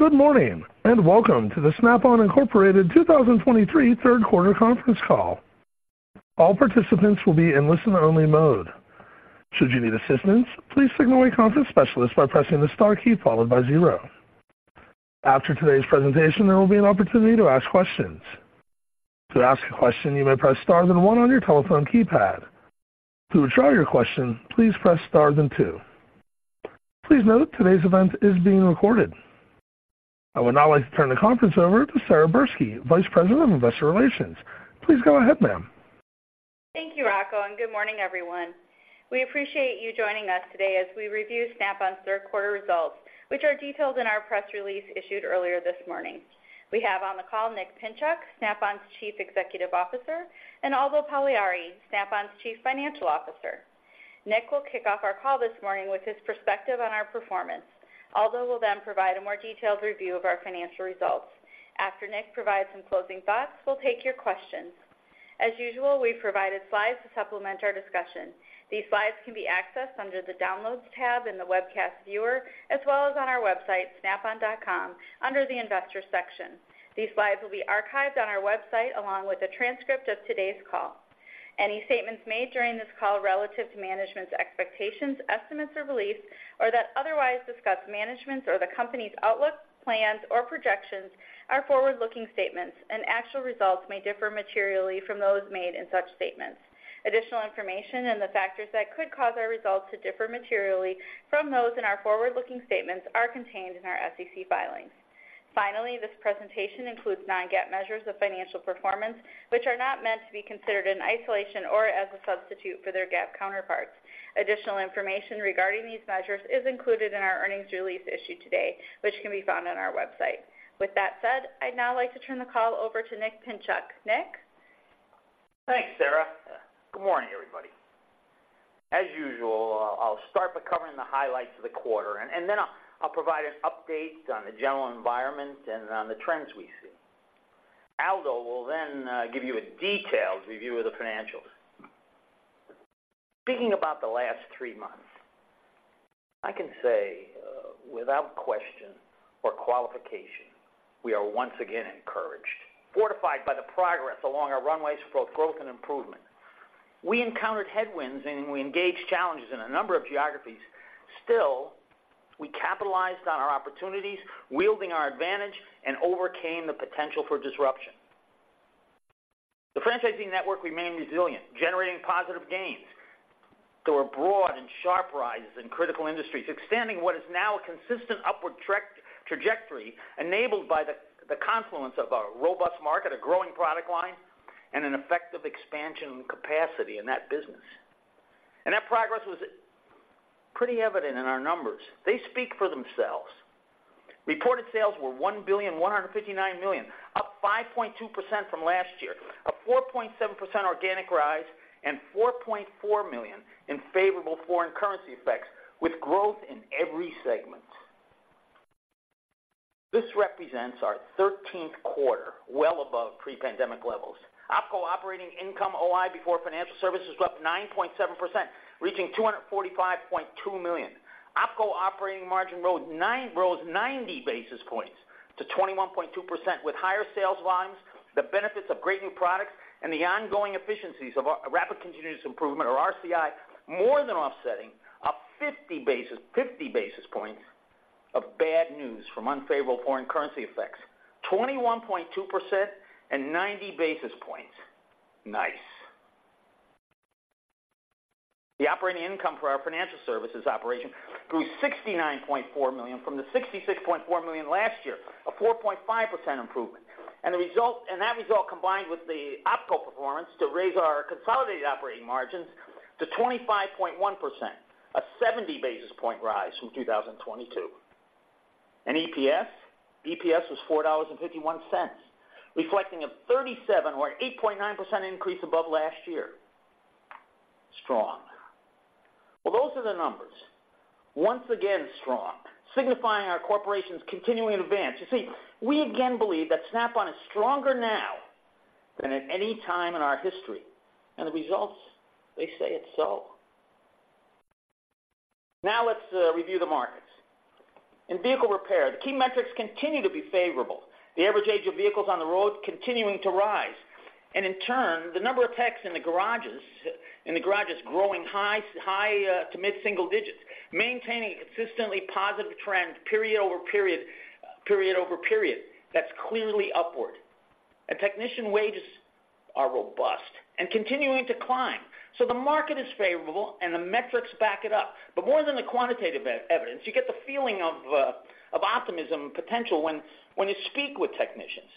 Good morning, and welcome to the Snap-on Incorporated 2023 third quarter conference call. All participants will be in listen-only mode. Should you need assistance, please signal a conference specialist by pressing the star key followed by zero. After today's presentation, there will be an opportunity to ask questions. To ask a question, you may press star then one on your telephone keypad. To withdraw your question, please press star then two. Please note, today's event is being recorded. I would now like to turn the conference over to Sara Verbsky, Vice President of Investor Relations. Please go ahead, ma'am. Thank you, Rocco, and good morning, everyone. We appreciate you joining us today as we review Snap-on's third quarter results, which are detailed in our press release issued earlier this morning. We have on the call Nick Pinchuk, Snap-on's Chief Executive Officer, and Aldo Pagliari, Snap-on's Chief Financial Officer. Nick will kick off our call this morning with his perspective on our performance. Aldo will then provide a more detailed review of our financial results. After Nick provides some closing thoughts, we'll take your questions. As usual, we've provided slides to supplement our discussion. These slides can be accessed under the Downloads tab in the webcast viewer, as well as on our website, snapon.com, under the Investors section. These slides will be archived on our website, along with a transcript of today's call. Any statements made during this call relative to management's expectations, estimates, or beliefs, or that otherwise discuss management's or the company's outlook, plans, or projections are forward-looking statements, and actual results may differ materially from those made in such statements. Additional information and the factors that could cause our results to differ materially from those in our forward-looking statements are contained in our SEC filings. Finally, this presentation includes non-GAAP measures of financial performance, which are not meant to be considered in isolation or as a substitute for their GAAP counterparts. Additional information regarding these measures is included in our earnings release issued today, which can be found on our website. With that said, I'd now like to turn the call over to Nick Pinchuk. Nick? Thanks, Sara. Good morning, everybody. As usual, I'll start by covering the highlights of the quarter, and then I'll provide an update on the general environment and on the trends we see. Aldo will then give you a detailed review of the financials. Speaking about the last three months, I can say without question or qualification, we are once again encouraged, fortified by the progress along our runways for both growth and improvement. We encountered headwinds, and we engaged challenges in a number of geographies. Still, we capitalized on our opportunities, wielding our advantage, and overcame the potential for disruption. The franchising network remained resilient, generating positive gains. There were broad and sharp rises in critical industries, extending what is now a consistent upward trek trajectory enabled by the confluence of a robust market, a growing product line, and an effective expansion in capacity in that business. That progress was pretty evident in our numbers. They speak for themselves. Reported sales were $1.159 billion, up 5.2% from last year, a 4.7% organic rise, and $4.4 million in favorable foreign currency effects, with growth in every segment. This represents our 13th quarter, well above pre-pandemic levels. OpCo operating income, OI, before financial services, was up 9.7%, reaching $245.2 million. OpCo operating margin rose 90 basis points to 21.2% with higher sales volumes, the benefits of great new products, and the ongoing efficiencies of our Rapid Continuous Improvement, or RCI, more than offsetting 50 basis points of bad news from unfavorable foreign currency effects. 21.2% and 90 basis points. Nice! The operating income for our financial services operation grew $69.4 million from the $66.4 million last year, a 4.5% improvement, and that result combined with the OpCo performance to raise our consolidated operating margins to 25.1%, a 70 basis point rise from 2022. And EPS, EPS was $4.51, reflecting a 37 or 8.9% increase above last year. Strong. Well, those are the numbers. Once again, strong, signifying our corporation's continuing advance. You see, we again believe that Snap-on is stronger now than at any time in our history, and the results, they say it so. Now let's review the markets. In vehicle repair, the key metrics continue to be favorable, the average age of vehicles on the road continuing to rise, and in turn, the number of techs in the garages growing high-single to mid-single digits, maintaining a consistently positive trend period over period, period over period, that's clearly upward. And technician wages are robust and continuing to climb, so the market is favorable, and the metrics back it up. But more than the quantitative evidence, you get the feeling of optimism and potential when you speak with technicians.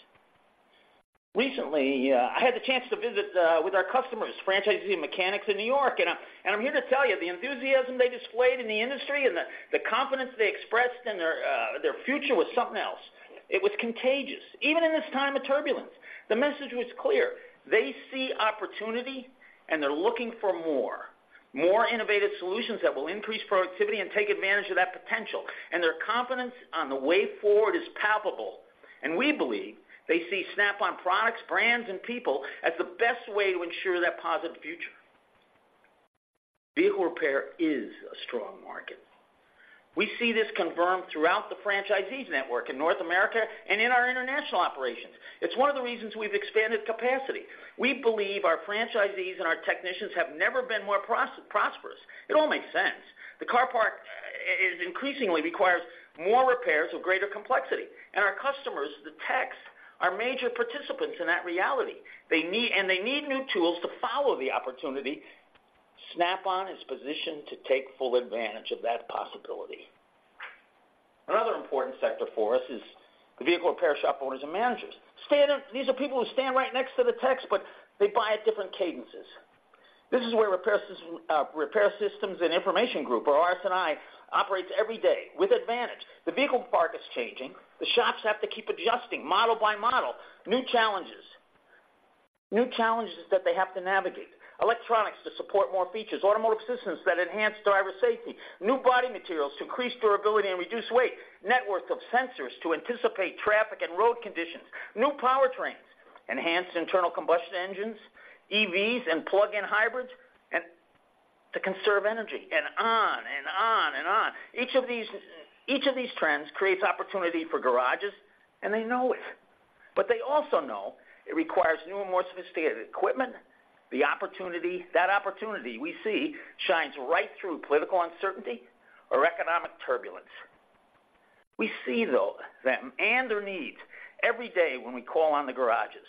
Recently, I had the chance to visit with our customers, franchisee mechanics in New York, and I, and I'm here to tell you, the enthusiasm they displayed in the industry and the, the confidence they expressed in their, their future was something else. It was contagious. Even in this time of turbulence, the message was clear: They see opportunity, and they're looking for more, more innovative solutions that will increase productivity and take advantage of that potential, and their confidence on the way forward is palpable, and we believe they see Snap-on products, brands, and people as the best way to ensure that positive future. Vehicle repair is a strong market. We see this confirmed throughout the franchisees network in North America and in our international operations. It's one of the reasons we've expanded capacity. We believe our franchisees and our technicians have never been more prosperous. It all makes sense. The car park is increasingly requires more repairs with greater complexity, and our customers, the techs, are major participants in that reality. They need and they need new tools to follow the opportunity. Snap-on is positioned to take full advantage of that possibility. Another important sector for us is the vehicle repair shop owners and managers. Stand up, these are people who stand right next to the techs, but they buy at different cadences. This is where Repair Systems and Information Group, or RS&I, operates every day with advantage. The vehicle park is changing. The shops have to keep adjusting model by model. New challenges, new challenges that they have to navigate. Electronics to support more features, automotive systems that enhance driver safety, new body materials to increase durability and reduce weight, networks of sensors to anticipate traffic and road conditions, new powertrains, enhanced internal combustion engines, EVs and plug-in hybrids, and to conserve energy, and on and on and on. Each of these, each of these trends creates opportunity for garages, and they know it. But they also know it requires new and more sophisticated equipment. The opportunity, that opportunity we see shines right through political uncertainty or economic turbulence. We see, though, them and their needs every day when we call on the garages.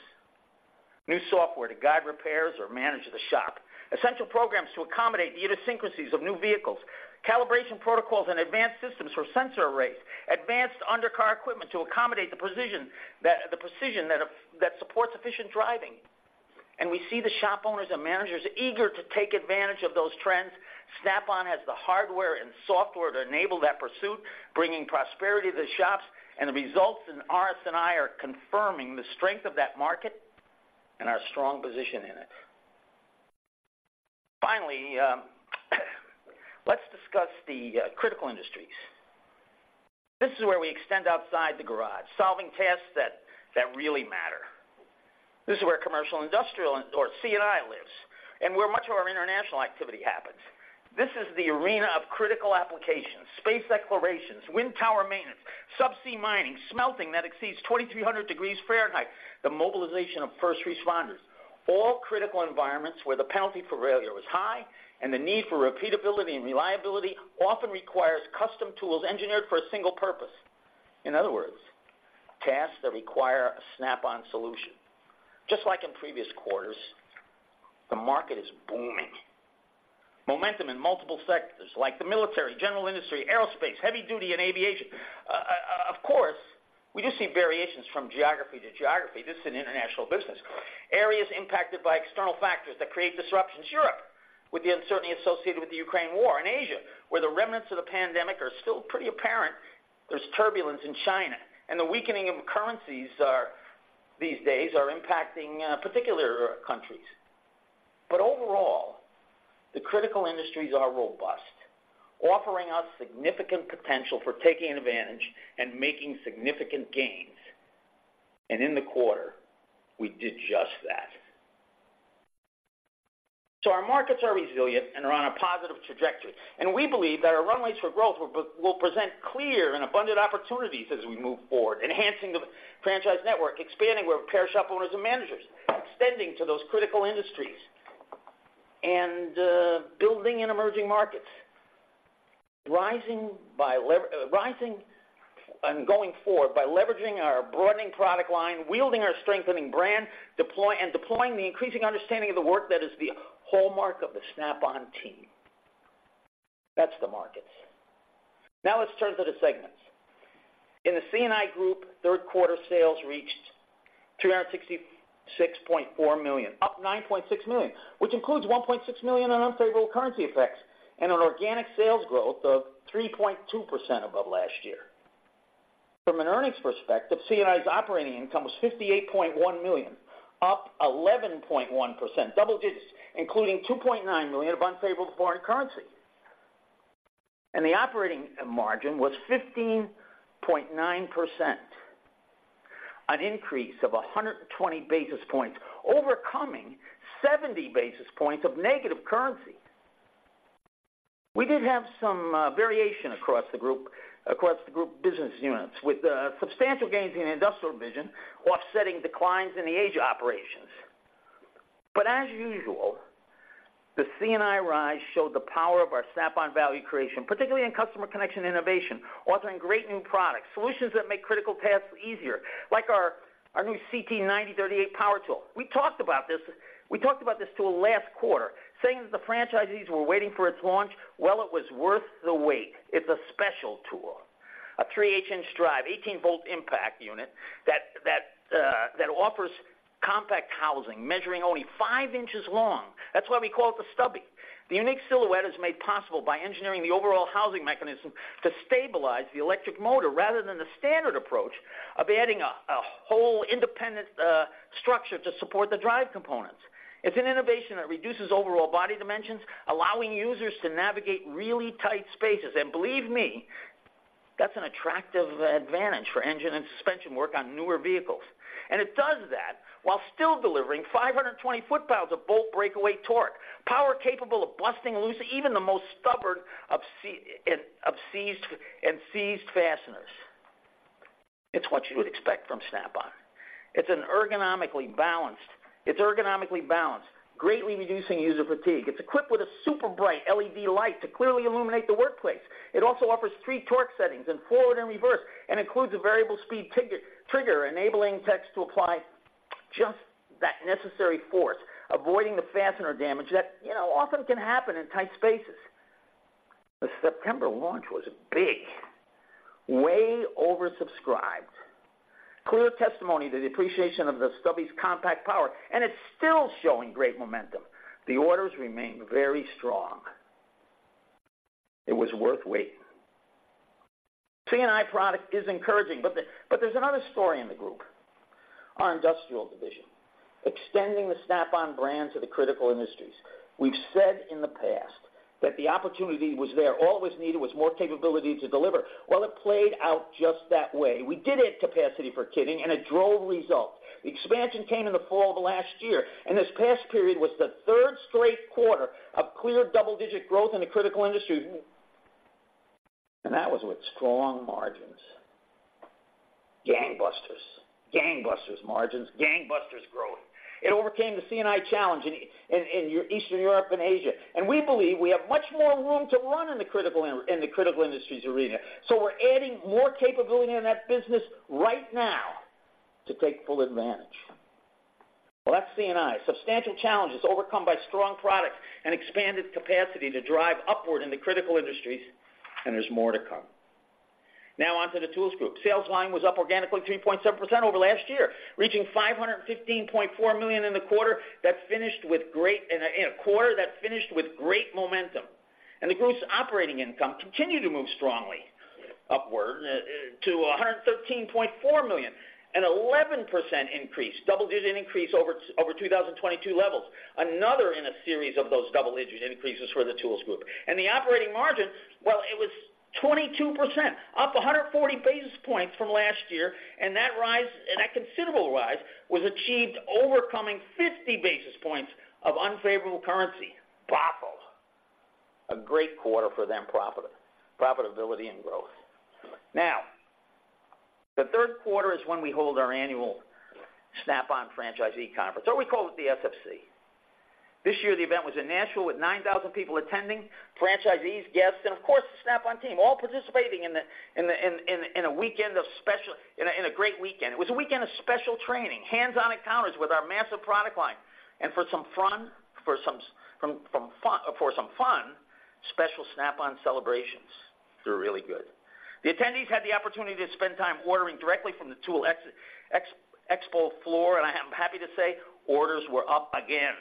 New software to guide repairs or manage the shop, essential programs to accommodate the idiosyncrasies of new vehicles, calibration protocols and advanced systems for sensor arrays, advanced undercar equipment to accommodate the precision that, the precision that, that supports efficient driving. And we see the shop owners and managers eager to take advantage of those trends. Snap-on has the hardware and software to enable that pursuit, bringing prosperity to the shops, and the results in RS&I are confirming the strength of that market and our strong position in it. Finally, let's discuss the critical industries. This is where we extend outside the garage, solving tasks that really matter. This is where commercial, industrial, and/or C&I lives, and where much of our international activity happens. This is the arena of critical applications, space declarations, wind tower maintenance, subsea mining, smelting that exceeds 2,300 degrees Fahrenheit, the mobilization of first responders. All critical environments where the penalty for failure is high and the need for repeatability and reliability often requires custom tools engineered for a single purpose. In other words, tasks that require a Snap-on solution. Just like in previous quarters, the market is booming. Momentum in multiple sectors like the military, general industry, aerospace, heavy duty, and aviation. Of course, we do see variations from geography to geography. This is an international business. Areas impacted by external factors that create disruptions. Europe, with the uncertainty associated with the Ukraine war, and Asia, where the remnants of the pandemic are still pretty apparent. There's turbulence in China, and the weakening of currencies are, these days, impacting particular countries. But overall, the critical industries are robust, offering us significant potential for taking advantage and making significant gains. And in the quarter, we did just that. So our markets are resilient and are on a positive trajectory, and we believe that our runways for growth will present clear and abundant opportunities as we move forward, enhancing the franchise network, expanding repair shop owners and managers, extending to those critical industries, and building in emerging markets. Rising and going forward by leveraging our broadening product line, wielding our strengthening brand, and deploying the increasing understanding of the work that is the hallmark of the Snap-on team. That's the markets. Now let's turn to the segments. In the C&I group, third quarter sales reached $366.4 million, up $9.6 million, which includes $1.6 million in unfavorable currency effects and an organic sales growth of 3.2% above last year. From an earnings perspective, C&I's operating income was $58.1 million, up 11.1%, double digits, including $2.9 million of unfavorable foreign currency. The operating margin was 15.9%, an increase of 120 basis points, overcoming 70 basis points of negative currency. We did have some variation across the group, across the group business units, with substantial gains in the industrial division offsetting declines in the Asia operations. But as usual, the C&I rise showed the power of our Snap-on value creation, particularly in customer connection innovation, authoring great new products, solutions that make critical tasks easier, like our, our new CT9038 power tool. We talked about this. We talked about this tool last quarter, saying that the franchisees were waiting for its launch. Well, it was worth the wait. It's a special tool, a 3/8-inch drive, 18-volt impact unit that offers compact housing, measuring only 5 inches long. That's why we call it the Stubby. The unique silhouette is made possible by engineering the overall housing mechanism to stabilize the electric motor, rather than the standard approach of adding a whole independent structure to support the drive components. It's an innovation that reduces overall body dimensions, allowing users to navigate really tight spaces. And believe me. That's an attractive advantage for engine and suspension work on newer vehicles. And it does that while still delivering 520 foot-pounds of bolt breakaway torque, power capable of busting loose even the most stubborn of seized fasteners. It's what you would expect from Snap-on. It's ergonomically balanced, greatly reducing user fatigue. It's equipped with a super bright LED light to clearly illuminate the workplace. It also offers three torque settings in forward and reverse, and includes a variable speed trigger, enabling techs to apply just that necessary force, avoiding the fastener damage that, you know, often can happen in tight spaces. The September launch was big, way oversubscribed. Clear testimony to the appreciation of the stubby's compact power, and it's still showing great momentum. The orders remain very strong. It was worth waiting. C&I product is encouraging, but there's another story in the group, our industrial division, extending the Snap-on brand to the critical industries. We've said in the past that the opportunity was there. All it was needed was more capability to deliver. Well, it played out just that way. We did add capacity for kitting, and it drove results. Expansion came in the fall of last year, and this past period was the third straight quarter of clear double-digit growth in the critical industry, and that was with strong margins. Gangbusters. Gangbusters margins, gangbusters growth. It overcame the C&I challenge in Eastern Europe and Asia, and we believe we have much more room to run in the critical industries arena. So we're adding more capability in that business right now to take full advantage. Well, that's C&I. Substantial challenges overcome by strong products and expanded capacity to drive upward in the critical industries, and there's more to come. Now on to the Tools Group. Sales line was up organically 3.7% over last year, reaching $515.4 million in the quarter that finished with great momentum. The group's operating income continued to move strongly upward to $113.4 million, an 11% increase, double-digit increase over 2022 levels. Another in a series of those double-digit increases for the Tools Group. The operating margin, well, it was 22%, up 140 basis points from last year, and that rise, and that considerable rise was achieved overcoming 50 basis points of unfavorable currency. Powerful! A great quarter for them, profitability and growth. Now, the third quarter is when we hold our annual Snap-on Franchisee Conference, or we call it the SFC. This year, the event was in Nashville, with 9,000 people attending, franchisees, guests, and of course, the Snap-on team, all participating in a great weekend. It was a weekend of special training, hands-on encounters with our massive product line, and for some fun, special Snap-on celebrations. They're really good. The attendees had the opportunity to spend time ordering directly from the tool Expo floor, and I am happy to say orders were up again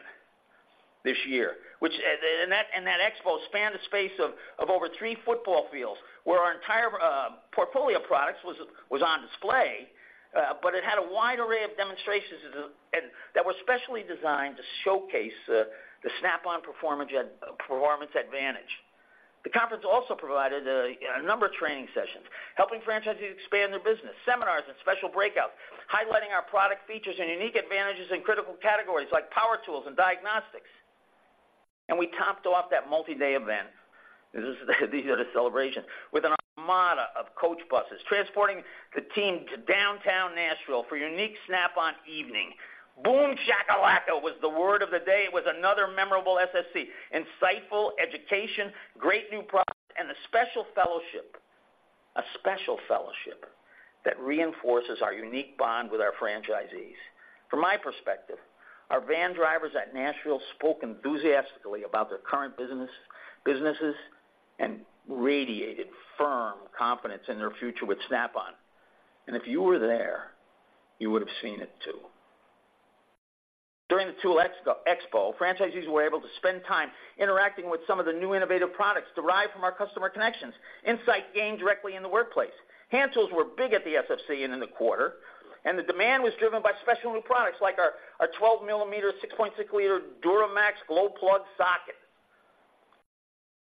this year, which. And that expo spanned a space of over three football fields, where our entire portfolio of products was on display, but it had a wide array of demonstrations that were specially designed to showcase the Snap-on performance advantage. The conference also provided a number of training sessions, helping franchisees expand their business, seminars and special breakouts, highlighting our product features and unique advantages in critical categories like power tools and diagnostics. We topped off that multi-day event, these are the celebrations, with an armada of coach buses transporting the team to downtown Nashville for a unique Snap-on evening. Boom Shakalaka was the word of the day. It was another memorable SFC, insightful education, great new products, and a special fellowship that reinforces our unique bond with our franchisees. From my perspective, our van drivers at Nashville spoke enthusiastically about their current businesses and radiated firm confidence in their future with Snap-on. If you were there, you would have seen it, too. During the Tool Expo, franchisees were able to spend time interacting with some of the new innovative products derived from our customer connections, insight gained directly in the workplace. Hand tools were big at the SFC and in the quarter, and the demand was driven by special new products like our 12-millimeter, 6.6-liter Duramax glow plug socket.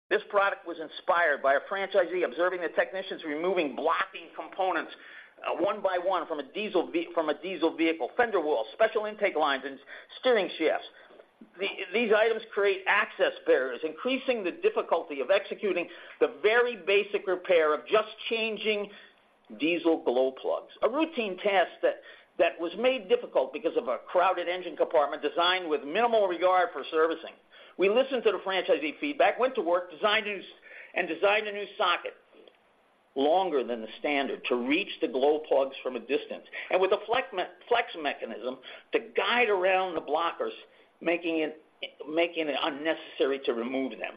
This product was inspired by a franchisee observing the technicians removing blocking components one by one from a diesel vehicle, fender wells, special intake lines, and steering shafts. These items create access barriers, increasing the difficulty of executing the very basic repair of just changing diesel glow plugs. A routine task that was made difficult because of a crowded engine compartment designed with minimal regard for servicing. We listened to the franchisee feedback, went to work, designed a new socket longer than the standard to reach the glow plugs from a distance, and with a flex mechanism to guide around the blockers, making it unnecessary to remove them.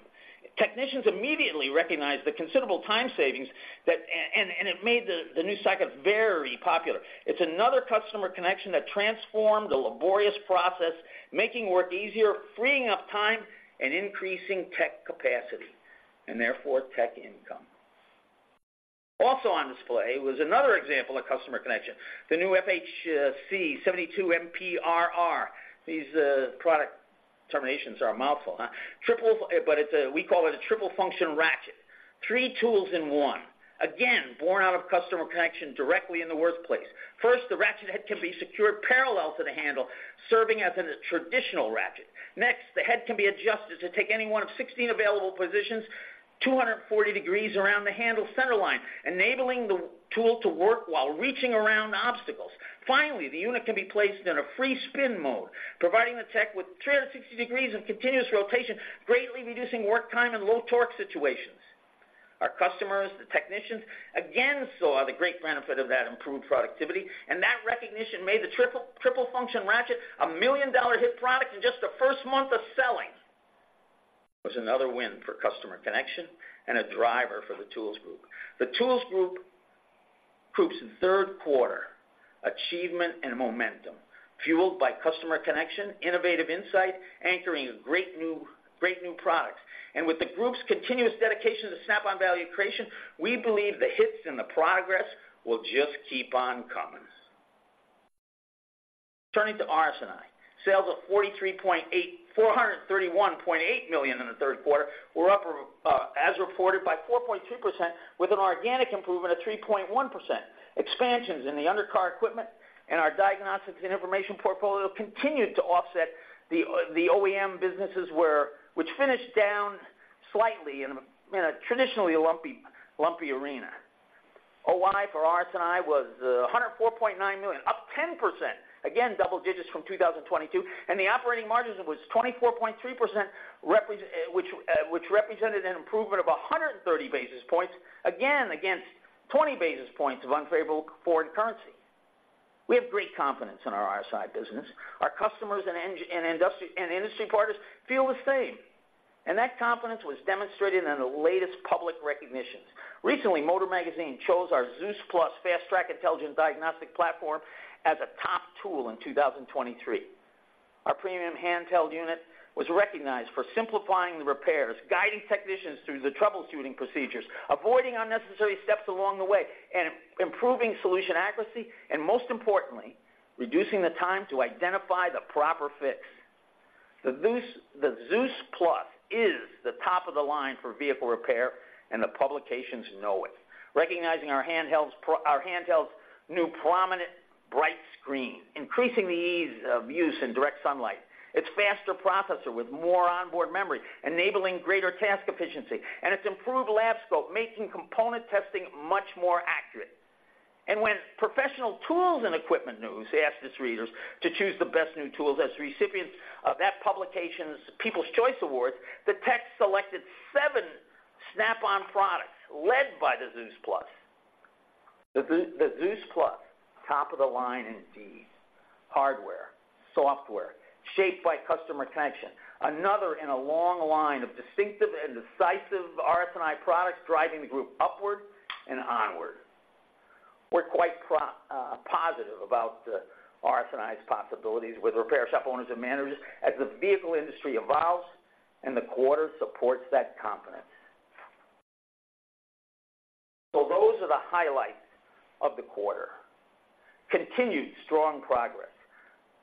Technicians immediately recognized the considerable time savings, and it made the new socket very popular. It's another customer connection that transformed a laborious process, making work easier, freeing up time, and increasing tech capacity, and therefore, tech income. Also on display was another example of customer connection, the new FHC72MPRR. These product designations are a mouthful, huh? Triple, but it's a triple function ratchet. Three tools in one, again, born out of customer connection directly in the workplace. First, the ratchet head can be secured parallel to the handle, serving as a traditional ratchet. Next, the head can be adjusted to take any one of 16 available positions, 240 degrees around the handle center line, enabling the tool to work while reaching around obstacles. Finally, the unit can be placed in a free spin mode, providing the tech with 360 degrees of continuous rotation, greatly reducing work time in low torque situations. Our customers, the technicians, again, saw the great benefit of that improved productivity, and that recognition made the Triple Function Ratchet a million-dollar hit product in just the first month of selling. It was another win for customer connection and a driver for the Tools Group. The Tools Group proved in third quarter achievement and momentum, fueled by customer connection, innovative insight, anchoring a great new, great new product. And with the group's continuous dedication to Snap-on value creation, we believe the hits and the progress will just keep on coming. Turning to RS&I. Sales of $431.8 million in the third quarter were up 4.2% as reported, with an organic improvement of 3.1%. Expansions in the undercar equipment and our diagnostics and information portfolio continued to offset the OEM businesses, which finished down slightly in a traditionally lumpy arena. OI for RS&I was $104.9 million, up 10%. Again, double digits from 2022, and the operating margins was 24.3%, which represented an improvement of 130 basis points, again, against 20 basis points of unfavorable foreign currency. We have great confidence in our RS&I business. Our customers and industry, and industry partners feel the same, and that confidence was demonstrated in the latest public recognitions. Recently, Motor Magazine chose our ZEUS+ Fast-Track Intelligent Diagnostic Platform as a top tool in 2023. Our premium handheld unit was recognized for simplifying the repairs, guiding technicians through the troubleshooting procedures, avoiding unnecessary steps along the way, and improving solution accuracy, and most importantly, reducing the time to identify the proper fix. The Zeus, the ZEUS+ is the top of the line for vehicle repair, and the publications know it. Recognizing our handheld's new prominent bright screen, increasing the ease of use in direct sunlight. Its faster processor with more onboard memory, enabling greater task efficiency, and its improved lab scope, making component testing much more accurate. And when Professional Tool & Equipment News asked its readers to choose the best new tools as recipients of that publication's People's Choice Awards, the tech selected seven Snap-on products, led by the ZEUS+. The ZEUS+, top of the line indeed. Hardware, software, shaped by customer attention, another in a long line of distinctive and decisive RS&I products driving the group upward and onward. We're quite positive about the RS&I's possibilities with repair shop owners and managers as the vehicle industry evolves, and the quarter supports that confidence. So those are the highlights of the quarter. Continued strong progress,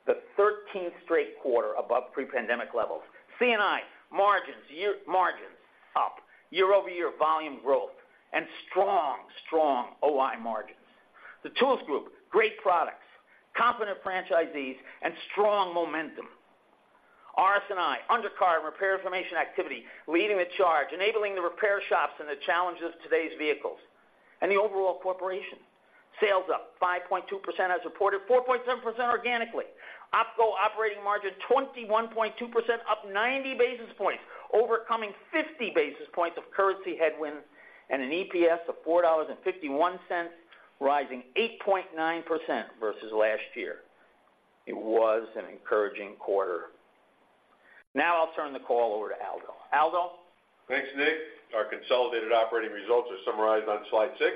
the thirteenth straight quarter above pre-pandemic levels. C&I margins, year margins, up year-over-year volume growth and strong, strong OI margins. The Tools Group, great products, confident franchisees, and strong momentum. RS&I, undercar and repair information activity, leading the charge, enabling the repair shops and the challenges of today's vehicles. The overall corporation, sales up 5.2% as reported, 4.7% organically. OpCo operating margin, 21.2%, up 90 basis points, overcoming 50 basis points of currency headwinds and an EPS of $4.51, rising 8.9% versus last year. It was an encouraging quarter. Now I'll turn the call over to Aldo. Aldo? Thanks, Nick. Our consolidated operating results are summarized on Slide 6.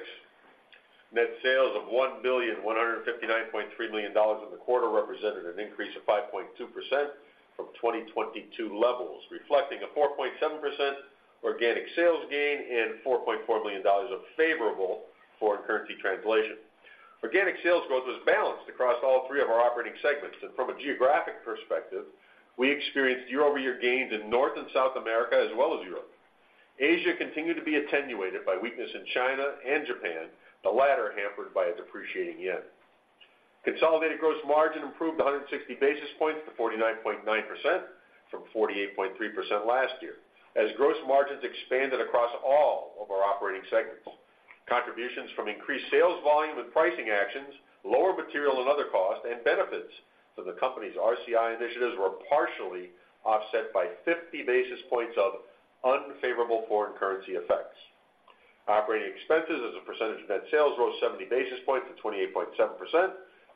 Net sales of $1,159.3 million in the quarter represented an increase of 5.2% from 2022 levels, reflecting a 4.7% organic sales gain and $4.4 million of favorable foreign currency translation. Organic sales growth was balanced across all three of our operating segments, and from a geographic perspective, we experienced year-over-year gains in North and South America as well as Europe. Asia continued to be attenuated by weakness in China and Japan, the latter hampered by a depreciating yen. Consolidated gross margin improved 160 basis points to 49.9% from 48.3% last year, as gross margins expanded across all of our operating segments. Contributions from increased sales volume and pricing actions, lower material and other costs, and benefits to the company's RCI initiatives were partially offset by 50 basis points of unfavorable foreign currency effects. Operating expenses as a percentage of net sales rose 70 basis points to 28.7%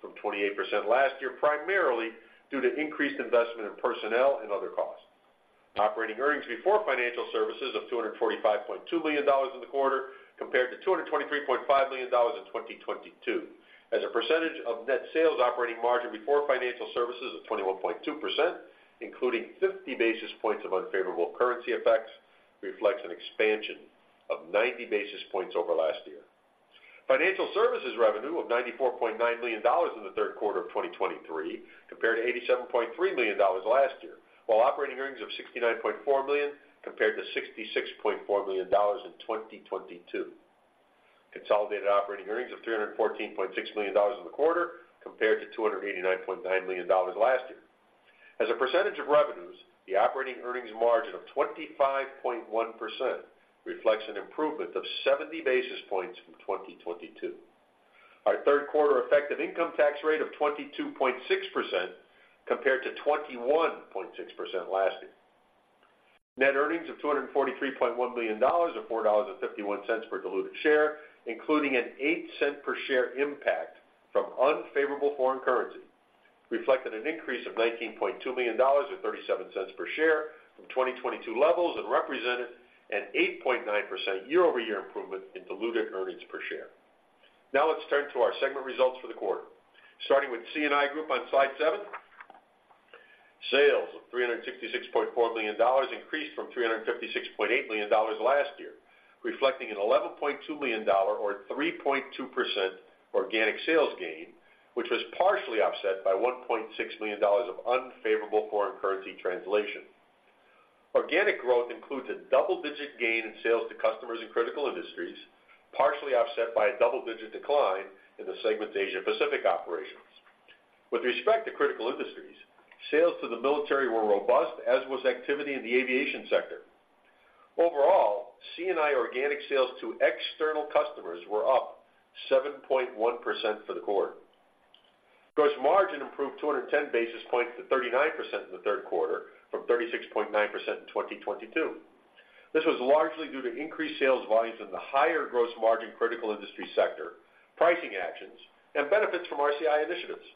from 28% last year, primarily due to increased investment in personnel and other costs. Operating earnings before financial services of $245.2 million in the quarter, compared to $223.5 million in 2022. As a percentage of net sales, operating margin before financial services of 21.2%, including 50 basis points of unfavorable currency effects, reflects an expansion of 90 basis points over last year. Financial services revenue of $94.9 million in the third quarter of 2023, compared to $87.3 million last year, while operating earnings of $69.4 million, compared to $66.4 million in 2022. Consolidated operating earnings of $314.6 million in the quarter, compared to $289.9 million last year. As a percentage of revenues, the operating earnings margin of 25.1% reflects an improvement of 70 basis points from 2022. Our third quarter effective income tax rate of 22.6%, compared to 21.6% last year. Net earnings of $243.1 million, or $4.51 per diluted share, including an $0.08 per share impact from unfavorable foreign currency, reflected an increase of $19.2 million, or $0.37 per share from 2022 levels, and represented an 8.9% year-over-year improvement in diluted earnings per share. Now let's turn to our segment results for the quarter. Starting with C&I Group on slide 7. Sales of $366.4 million increased from $356.8 million last year, reflecting an $11.2 million or 3.2% organic sales gain, which was partially offset by $1.6 million of unfavorable foreign currency translation. Organic growth includes a double-digit gain in sales to customers in critical industries, partially offset by a double-digit decline in the segment's Asia-Pacific operations. With respect to critical industries, sales to the military were robust, as was activity in the aviation sector. Overall, C&I organic sales to external customers were up 7.1% for the quarter. Gross margin improved 210 basis points to 39% in the third quarter, from 36.9% in 2022. This was largely due to increased sales volumes in the higher gross margin critical industry sector, pricing actions, and benefits from RCI initiatives.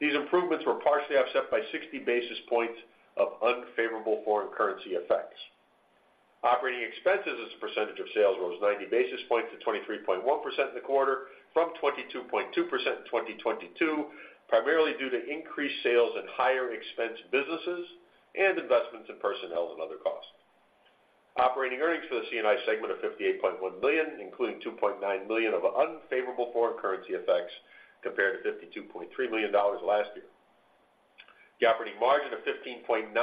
These improvements were partially offset by 60 basis points of unfavorable foreign currency effects. Operating expenses as a percentage of sales rose 90 basis points to 23.1% in the quarter, from 22.2% in 2022, primarily due to increased sales in higher expense businesses and investments in personnel and other costs. Operating earnings for the C&I segment of $58.1 million, including $2.9 million of unfavorable foreign currency effects, compared to $52.3 million last year. The operating margin of 15.9%,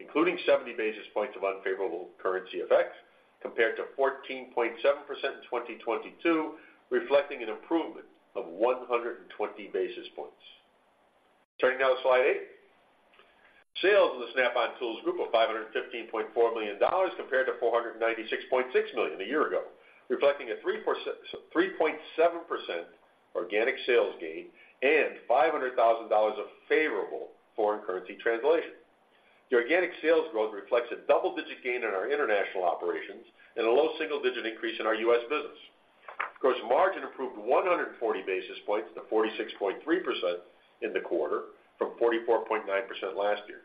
including 70 basis points of unfavorable currency effects, compared to 14.7% in 2022, reflecting an improvement of 120 basis points. Turning now to slide 8. Sales in the Snap-on Tools Group of $515.4 million, compared to $496.6 million a year ago, reflecting a 3.7% organic sales gain and $500,000 of favorable foreign currency translation. The organic sales growth reflects a double-digit gain in our international operations and a low single-digit increase in our U.S. business. Gross margin improved 140 basis points to 46.3% in the quarter, from 44.9% last year.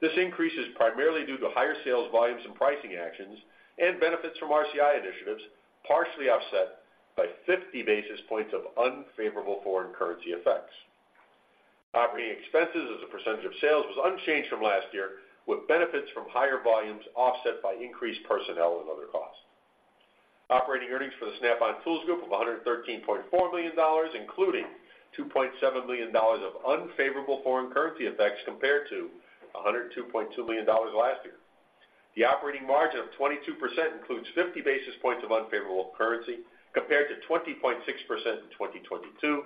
This increase is primarily due to higher sales volumes and pricing actions, and benefits from RCI initiatives, partially offset by 50 basis points of unfavorable foreign currency effects. Operating expenses as a percentage of sales was unchanged from last year, with benefits from higher volumes offset by increased personnel and other costs. Operating earnings for the Snap-on Tools Group of $113.4 million, including $2.7 million of unfavorable foreign currency effects, compared to $102.2 million last year. The operating margin of 22% includes 50 basis points of unfavorable currency, compared to 20.6% in 2022,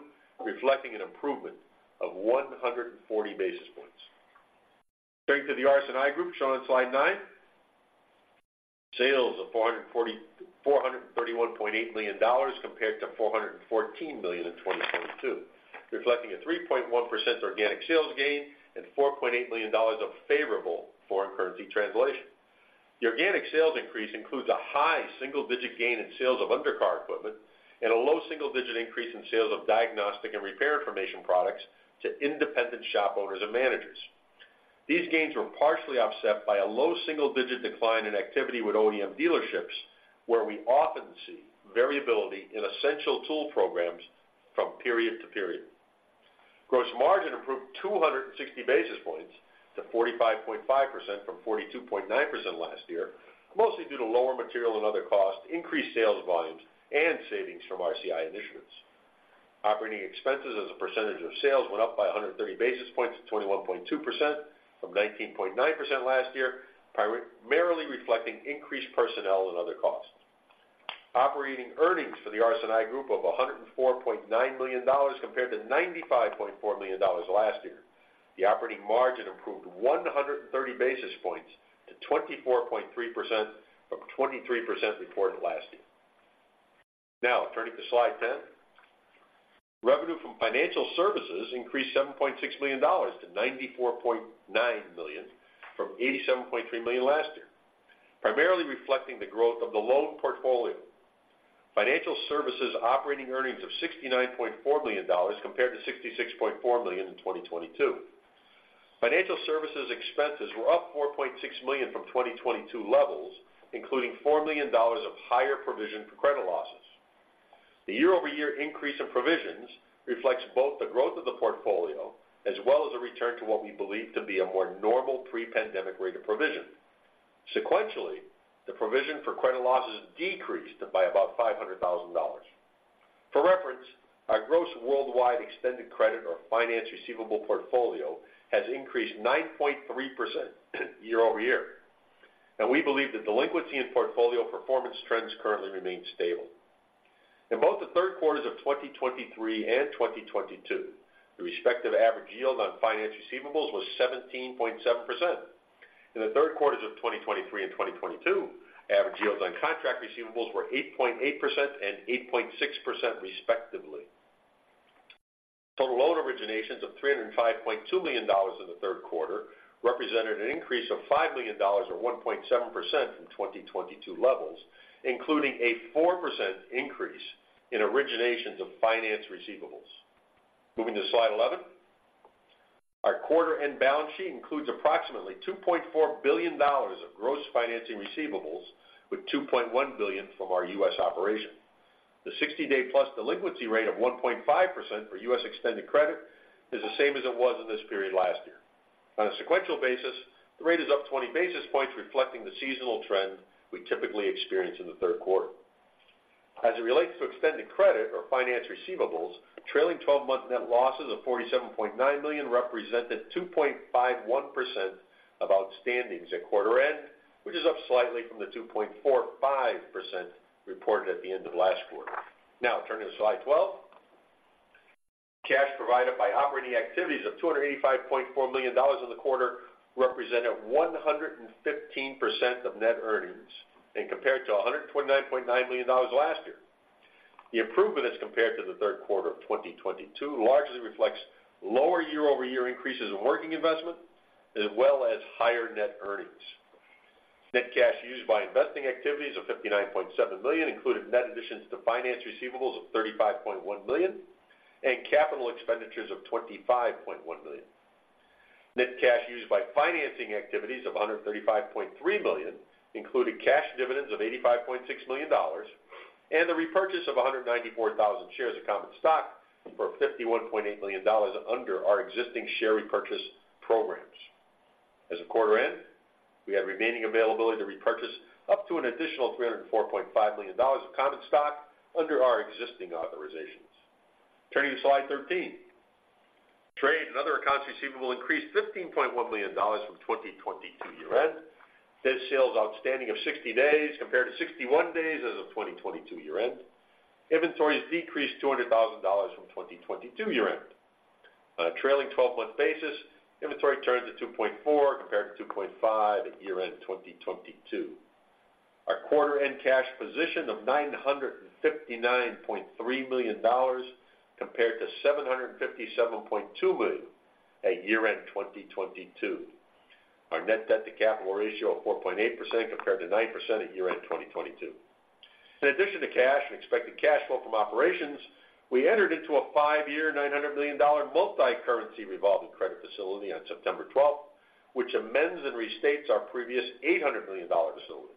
reflecting an improvement of 140 basis points. Turning to the RS&I Group shown on slide nine. Sales of $431.8 million, compared to $414 million in 2022, reflecting a 3.1% organic sales gain and $4.8 million of favorable foreign currency translation. The organic sales increase includes a high single digit gain in sales of undercar equipment and a low single digit increase in sales of diagnostic and repair information products to independent shop owners and managers. These gains were partially offset by a low single-digit decline in activity with OEM dealerships, where we often see variability in essential tool programs from period to period. Gross margin improved 260 basis points to 45.5%, from 42.9% last year, mostly due to lower material and other costs, increased sales volumes, and savings from RCI initiatives. Operating expenses as a percentage of sales went up by 130 basis points to 21.2%, from 19.9% last year, primarily reflecting increased personnel and other costs. Operating earnings for the R&I Group of $104.9 million, compared to $95.4 million last year. The operating margin improved 130 basis points to 24.3%, from 23% reported last year. Now, turning to slide 10. Revenue from financial services increased $7.6 million to $94.9 million, from $87.3 million last year, primarily reflecting the growth of the loan portfolio. Financial services operating earnings of $69.4 million, compared to $66.4 million in 2022. Financial services expenses were up $4.6 million from 2022 levels, including $4 million of higher provision for credit losses. The year-over-year increase in provisions reflects both the growth of the portfolio as well as a return to what we believe to be a more normal pre-pandemic rate of provision. Sequentially, the provision for credit losses decreased by about $500,000. For reference, our gross worldwide extended credit or finance receivable portfolio has increased 9.3% year-over-year, and we believe the delinquency in portfolio performance trends currently remain stable. In both the third quarters of 2023 and 2022, the respective average yield on finance receivables was 17.7%. In the third quarters of 2023 and 2022, average yields on contract receivables were 8.8% and 8.6%, respectively. Total loan originations of $305.2 million in the third quarter represented an increase of $5 million, or 1.7% from 2022 levels, including a 4% increase in originations of finance receivables. Moving to Slide 11. Our quarter-end balance sheet includes approximately $2.4 billion of gross financing receivables, with $2.1 billion from our U.S. operation. The sixty-day-plus delinquency rate of 1.5% for U.S. extended credit is the same as it was in this period last year. On a sequential basis, the rate is up 20 basis points, reflecting the seasonal trend we typically experience in the third quarter. As it relates to extended credit or finance receivables, trailing twelve-month net losses of $47.9 million represented 2.51% of outstandings at quarter end, which is up slightly from the 2.45% reported at the end of last quarter. Now turning to Slide 12. Cash provided by operating activities of $285.4 million in the quarter represented 115% of net earnings and compared to $129.9 million last year. The improvement as compared to the third quarter of 2022 largely reflects lower year-over-year increases in working investment, as well as higher net earnings. Net cash used by investing activities of $59.7 million included net additions to finance receivables of $35.1 million and capital expenditures of $25.1 million. Net cash used by financing activities of $135.3 million, including cash dividends of $85.6 million, and the repurchase of 194,000 shares of common stock for $51.8 million under our existing share repurchase programs. As of quarter end, we had remaining availability to repurchase up to an additional $304.5 million of common stock under our existing authorizations. Turning to Slide 13. Trade and other accounts receivable increased $15.1 million from 2022 year-end. Days sales outstanding of 60 days, compared to 61 days as of 2022 year-end. Inventories decreased $200,000 from 2022 year-end. On a trailing 12-month basis, inventory turns to 2.4, compared to 2.5 at year-end 2022. Our quarter-end cash position of $959.3 million compared to $757.2 million at year-end 2022. Our net debt to capital ratio of 4.8% compared to 9% at year-end 2022. In addition to cash and expected cash flow from operations, we entered into a 5-year, $900 million multicurrency revolving credit facility on September 12, which amends and restates our previous $800 million facility.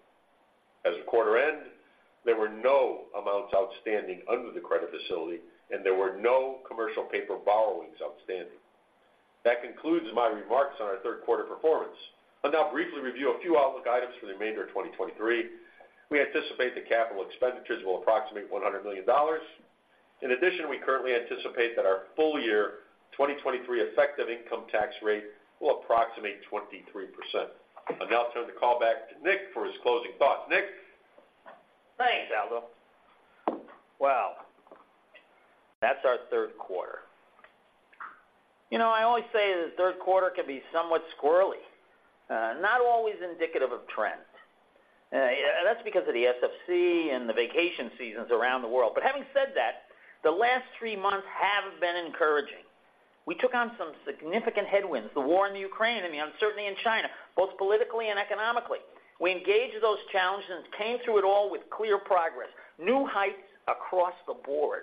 As of quarter end, there were no amounts outstanding under the credit facility, and there were no commercial paper borrowings outstanding. That concludes my remarks on our third quarter performance. I'll now briefly review a few outlook items for the remainder of 2023. We anticipate that capital expenditures will approximate $100 million. In addition, we currently anticipate that our full year 2023 effective income tax rate will approximate 23%. I'll now turn the call back to Nick for his closing thoughts. Nick? Thanks, Aldo. Well, that's our third quarter. You know, I always say the third quarter can be somewhat squirrely, not always indicative of trends. And that's because of the SFC and the vacation seasons around the world. But having said that, the last three months have been encouraging. We took on some significant headwinds, the war in Ukraine and the uncertainty in China, both politically and economically. We engaged those challenges and came through it all with clear progress, new heights across the board,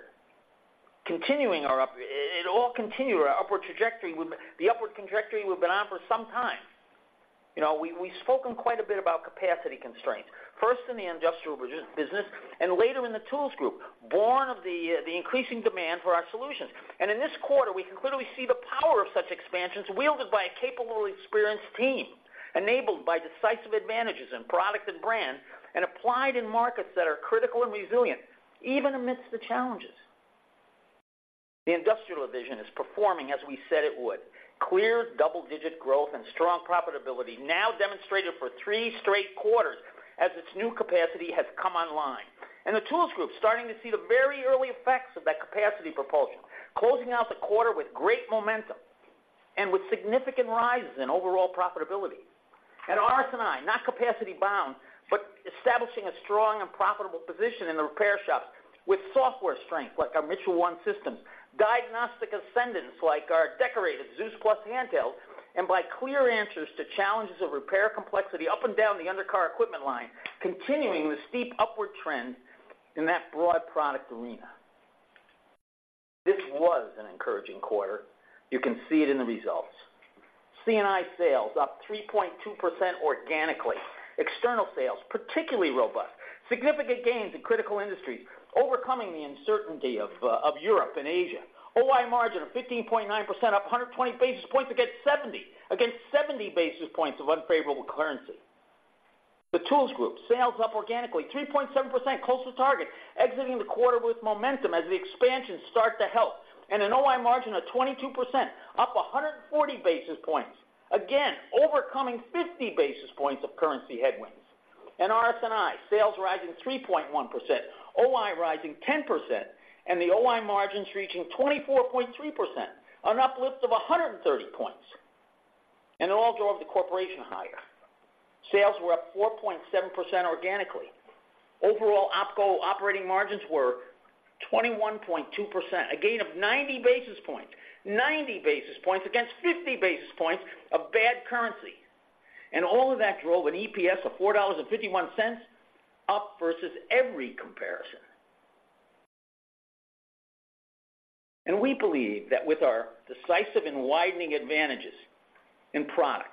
continuing our upward trajectory. It all continued our upward trajectory, the upward trajectory we've been on for some time. You know, we've spoken quite a bit about capacity constraints, first in the industrial business, and later in the Tools Group, born of the increasing demand for our solutions. In this quarter, we can clearly see the power of such expansions wielded by a capable, experienced team, enabled by decisive advantages in product and brand, and applied in markets that are critical and resilient, even amidst the challenges. The industrial division is performing as we said it would: clear double-digit growth and strong profitability, now demonstrated for three straight quarters as its new capacity has come online. The Tools Group starting to see the very early effects of that capacity propulsion, closing out the quarter with great momentum and with significant rises in overall profitability. RS&I, not capacity bound, but establishing a strong and profitable position in the repair shops with software strength, like our Mitchell 1 systems, diagnostic ascendance, like our decorated ZEUS+ handheld, and by clear answers to challenges of repair complexity up and down the undercar equipment line, continuing the steep upward trend in that broad product arena. This was an encouraging quarter. You can see it in the results. C&I sales up 3.2% organically. External sales, particularly robust. Significant gains in critical industries, overcoming the uncertainty of Europe and Asia. OI margin of 15.9%, up 120 basis points against 70, against 70 basis points of unfavorable currency. The Tools Group, sales up organically, 3.7%, close to target, exiting the quarter with momentum as the expansions start to help. And an OI margin of 22%, up 140 basis points, again, overcoming 50 basis points of currency headwinds. And RS&I sales rising 3.1%, OI rising 10%, and the OI margins reaching 24.3%, an uplift of 130 points. And it all drove the corporation higher. Sales were up 4.7% organically. Overall, OpCo operating margins were 21.2%, a gain of 90 basis points. 90 basis points against 50 basis points of bad currency. And all of that drove an EPS of $4.51, up versus every comparison. And we believe that with our decisive and widening advantages in product,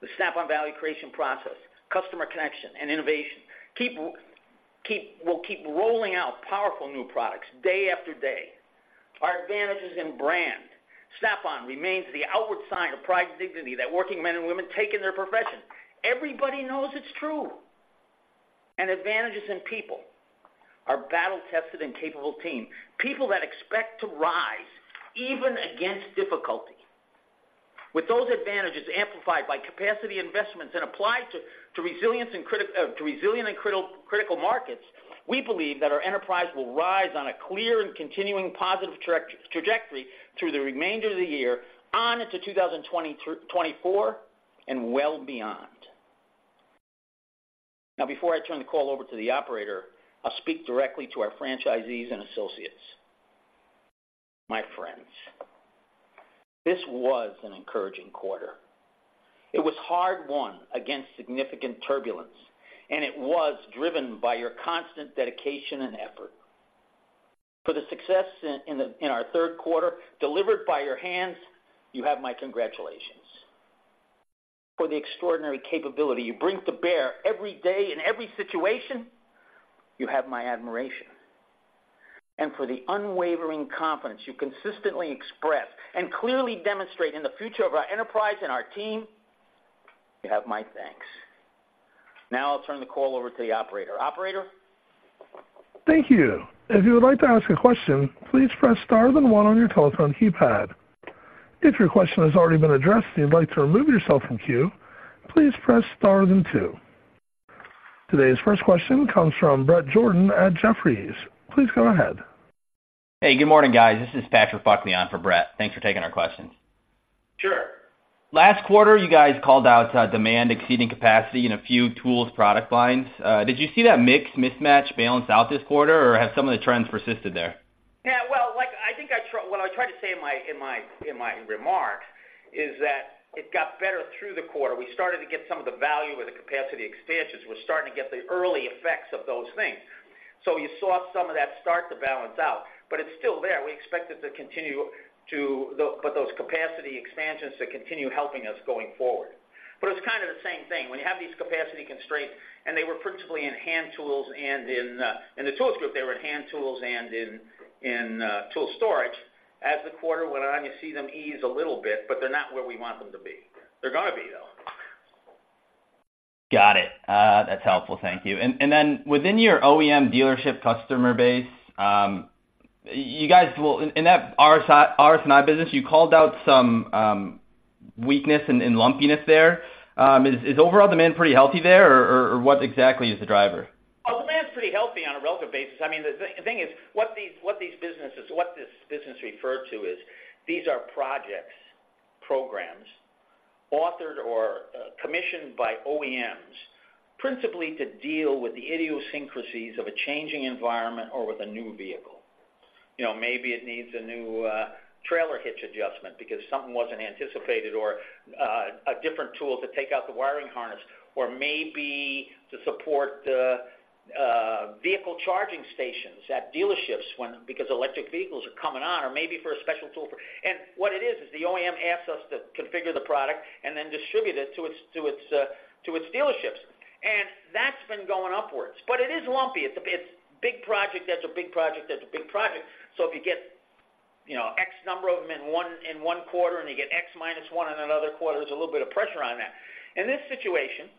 the Snap-on value creation process, customer connection, and innovation, we'll keep rolling out powerful new products day after day. Our advantages in brand, Snap-on remains the outward sign of pride and dignity that working men and women take in their profession. Everybody knows it's true. And advantages in people, our battle-tested and capable team, people that expect to rise even against difficulty. With those advantages amplified by capacity investments and applied to resilient and critical markets, we believe that our enterprise will rise on a clear and continuing positive trajectory through the remainder of the year, on into 2024, and well beyond. Now, before I turn the call over to the operator, I'll speak directly to our franchisees and associates. My friends, this was an encouraging quarter. It was hard won against significant turbulence, and it was driven by your constant dedication and effort. For the success in our third quarter, delivered by your hands, you have my congratulations. For the extraordinary capability you bring to bear every day in every situation, you have my admiration. And for the unwavering confidence you consistently express and clearly demonstrate in the future of our enterprise and our team, you have my thanks. Now I'll turn the call over to the operator. Operator? Thank you. If you would like to ask a question, please press star then one on your telephone keypad. If your question has already been addressed, and you'd like to remove yourself from queue, please press star then two. Today's first question comes from Brett Jordan at Jefferies. Please go ahead. Hey, good morning, guys. This is Patrick Buckley on for Brett. Thanks for taking our questions. Sure. Last quarter, you guys called out, demand exceeding capacity in a few tools product lines. Did you see that mix mismatch balance out this quarter, or have some of the trends persisted there? Yeah, well, like, I think what I tried to say in my remarks is that it got better through the quarter. We started to get some of the value of the capacity expansions. We're starting to get the early effects of those things. So you saw some of that start to balance out, but it's still there. We expect it to continue to, but those capacity expansions to continue helping us going forward. But it's kind of the same thing, when you have these capacity constraints, and they were principally in hand tools and in the Tools Group, they were in hand tools and in tool storage. As the quarter went on, you see them ease a little bit, but they're not where we want them to be. They're gonna be, though. Got it. That's helpful. Thank you. And then within your OEM dealership customer base, you guys will—in that RS&I business, you called out some weakness and lumpiness there. Is overall demand pretty healthy there, or what exactly is the driver? Oh, demand's pretty healthy on a relative basis. I mean, the thing is, what these businesses, what this business referred to is, these are projects, programs, authored or commissioned by OEMs, principally to deal with the idiosyncrasies of a changing environment or with a new vehicle. You know, maybe it needs a new trailer hitch adjustment because something wasn't anticipated or a different tool to take out the wiring harness, or maybe to support vehicle charging stations at dealerships when, because electric vehicles are coming on, or maybe for a special tool for and what it is, is the OEM asks us to configure the product and then distribute it to its dealerships. And that's been going upwards, but it is lumpy. It's a big project, that's a big project, that's a big project. So if you get, you know, X number of them in one, in one quarter, and you get X minus one in another quarter, there's a little bit of pressure on that. In this situation,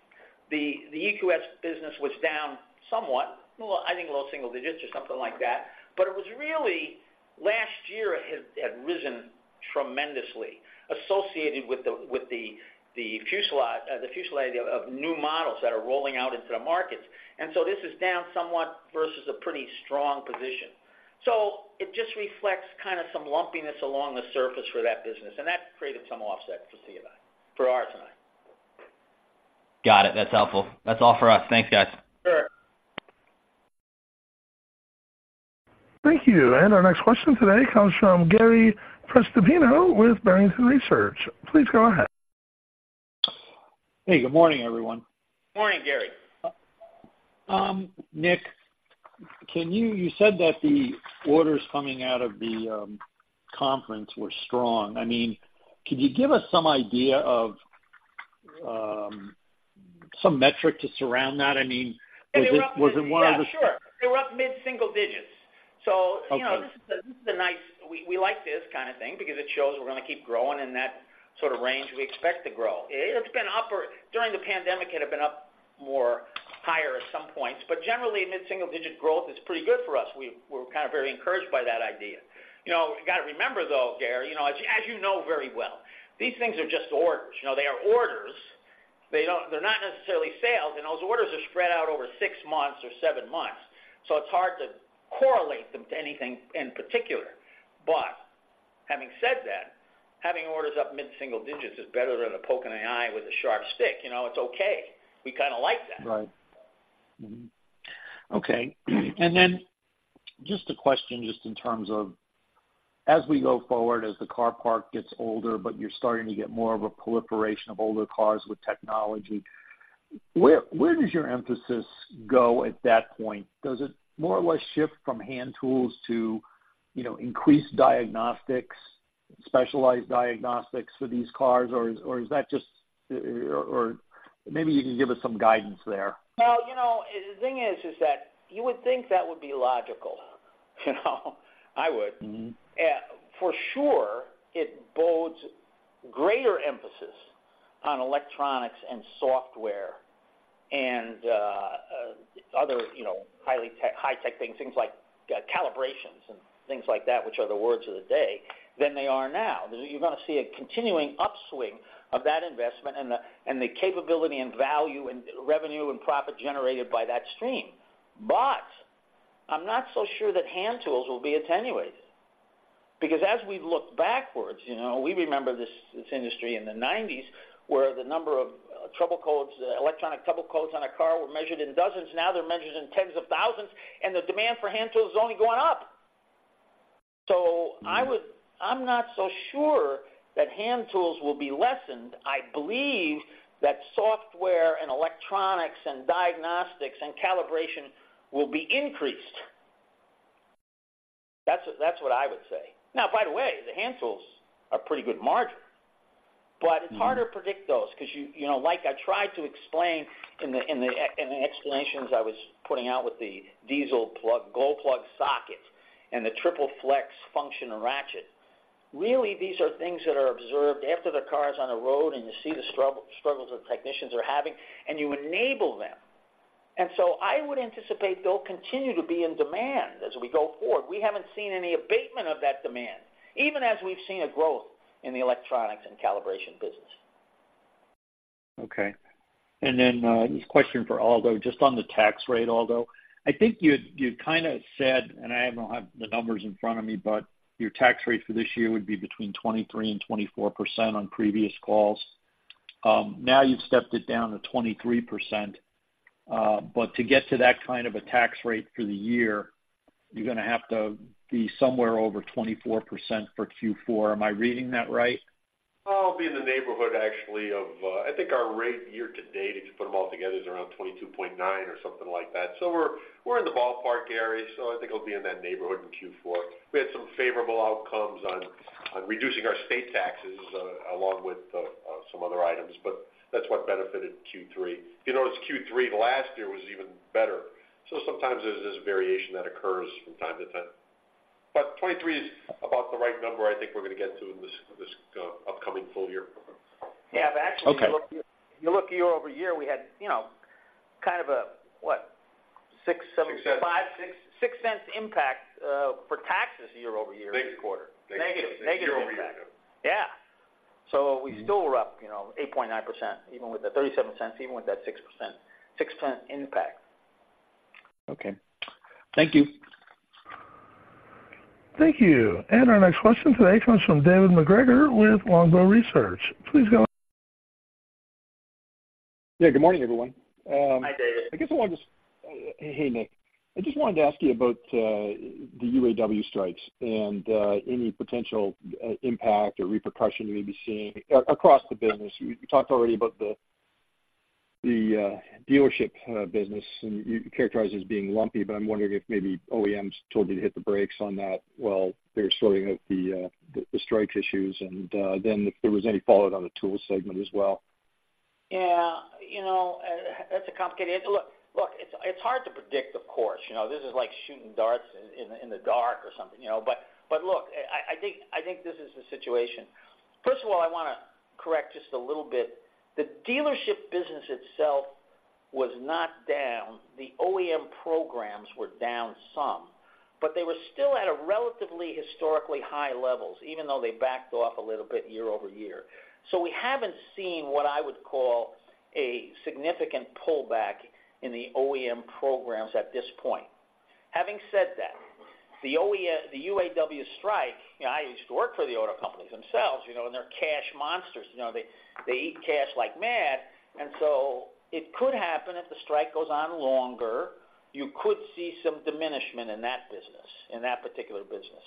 the EQS business was down somewhat, well, I think a little single digits or something like that. But it was really, last year, it had risen tremendously, associated with the, with the, the fuselage of new models that are rolling out into the markets. And so this is down somewhat versus a pretty strong position. So it just reflects kind of some lumpiness along the surface for that business, and that created some offset for C&I—for RS&I. Got it. That's helpful. That's all for us. Thanks, guys. Sure. Thank you. Our next question today comes from Gary Prestopino with Barrington Research. Please go ahead. Hey, good morning, everyone. Morning, Gary. Nick, can you, you said that the orders coming out of the conference were strong. I mean, could you give us some idea of some metric to surround that? I mean, was it, was it one of the- Yeah, sure. They were up mid-single digits. So, you know, this is a nice—we like this kind of thing because it shows we're going to keep growing in that sort of range we expect to grow. It's been up or during the pandemic, it had been up more higher at some points, but generally, mid-single digit growth is pretty good for us. We're kind of very encouraged by that idea. You know, you got to remember, though, Gary, you know, as you know very well, these things are just orders. You know, they are orders. They don't—they're not necessarily sales, and those orders are spread out over six months or seven months, so it's hard to correlate them to anything in particular. But having said that, having orders up mid-single digits is better than a poke in the eye with a sharp stick. You know, it's okay. We kind of like that. Right. Okay. And then just a question, just in terms of as we go forward, as the car park gets older, but you're starting to get more of a proliferation of older cars with technology, where, where does your emphasis go at that point? Does it more or less shift from hand tools to, you know, increased diagnostics, specialized diagnostics for these cars? Or, or is that just or maybe you can give us some guidance there. Well, you know, the thing is, is that you would think that would be logical. You know, I would. For sure, it bodes greater emphasis on electronics and software and, other, you know, highly tech, high-tech things, things like, calibrations and things like that, which are the words of the day, than they are now. You're going to see a continuing upswing of that investment and the capability and value and revenue and profit generated by that stream. But I'm not so sure that hand tools will be attenuated, because as we've looked backwards, you know, we remember this industry in the nineties, where the number of, trouble codes, electronic trouble codes on a car were measured in dozens. Now they're measured in tens of thousands, and the demand for hand tools is only going up. So I would. I'm not so sure that hand tools will be lessened. I believe that software and electronics and diagnostics and calibration will be increased. That's, that's what I would say. Now, by the way, the hand tools are pretty good margin, but- It's harder to predict those because you, you know, like I tried to explain in the explanations I was putting out with the diesel glow plug socket and the triple function ratchet. Really, these are things that are observed after the car is on the road, and you see the struggles that technicians are having, and you enable them. And so I would anticipate they'll continue to be in demand as we go forward. We haven't seen any abatement of that demand, even as we've seen a growth in the electronics and calibration business. Okay. And then this question for Aldo, just on the tax rate, Aldo. I think you, you kind of said, and I don't have the numbers in front of me, but your tax rate for this year would be between 23% and 24% on previous calls. Now you've stepped it down to 23%, but to get to that kind of a tax rate for the year, you're going to have to be somewhere over 24% for Q4. Am I reading that right? I'll be in the neighborhood, actually, of, I think our rate year to date, if you put them all together, is around 22.9 or something like that. So we're, we're in the ballpark, Gary, so I think it'll be in that neighborhood in Q4. We had some favorable outcomes on, on reducing our state taxes, along with, some other items, but that's what benefited Q3. You notice Q3 last year was even better, so sometimes there's variation that occurs from time to time. But 23 is about the right number I think we're going to get to in this, this, upcoming full year. Yeah, but actually. Okay. If you look year-over-year, we had, you know, kind of a what? 6, 7. $0.06. $0.0566 impact for taxes year-over-year. Six quarter. Negative. Negative. Negative impact. Year-over-year. Yeah. So we still were up, you know, 8.9%, even with the $0.37, even with that 6%, 6% impact. Okay. Thank you. Thank you. And our next question today comes from David MacGregor with Longbow Research. Please go ahead. Yeah, good morning, everyone. Hi, David. I guess I want to just. Hey, Nick. I just wanted to ask you about the UAW strikes and any potential impact or repercussion you may be seeing across the business. You talked already about the dealership business, and you characterized it as being lumpy, but I'm wondering if maybe OEMs told you to hit the brakes on that. Well, they're sorting out the strike issues and then if there was any fallout on the tool segment as well. Yeah, you know, that's a complicated. Look, look, it's, it's hard to predict the course. You know, this is like shooting darts in, in the dark or something, you know? But, but look, I, I think, I think this is the situation. First of all, I want to correct just a little bit. The dealership business itself was not down. The OEM programs were down some, but they were still at a relatively historically high levels, even though they backed off a little bit year-over-year. So we haven't seen what I would call a significant pullback in the OEM programs at this point. Having said that, the OEM- the UAW strike, you know, I used to work for the auto companies themselves, you know, and they're cash monsters. You know, they, they eat cash like mad, and so it could happen if the strike goes on longer. You could see some diminishment in that business, in that particular business.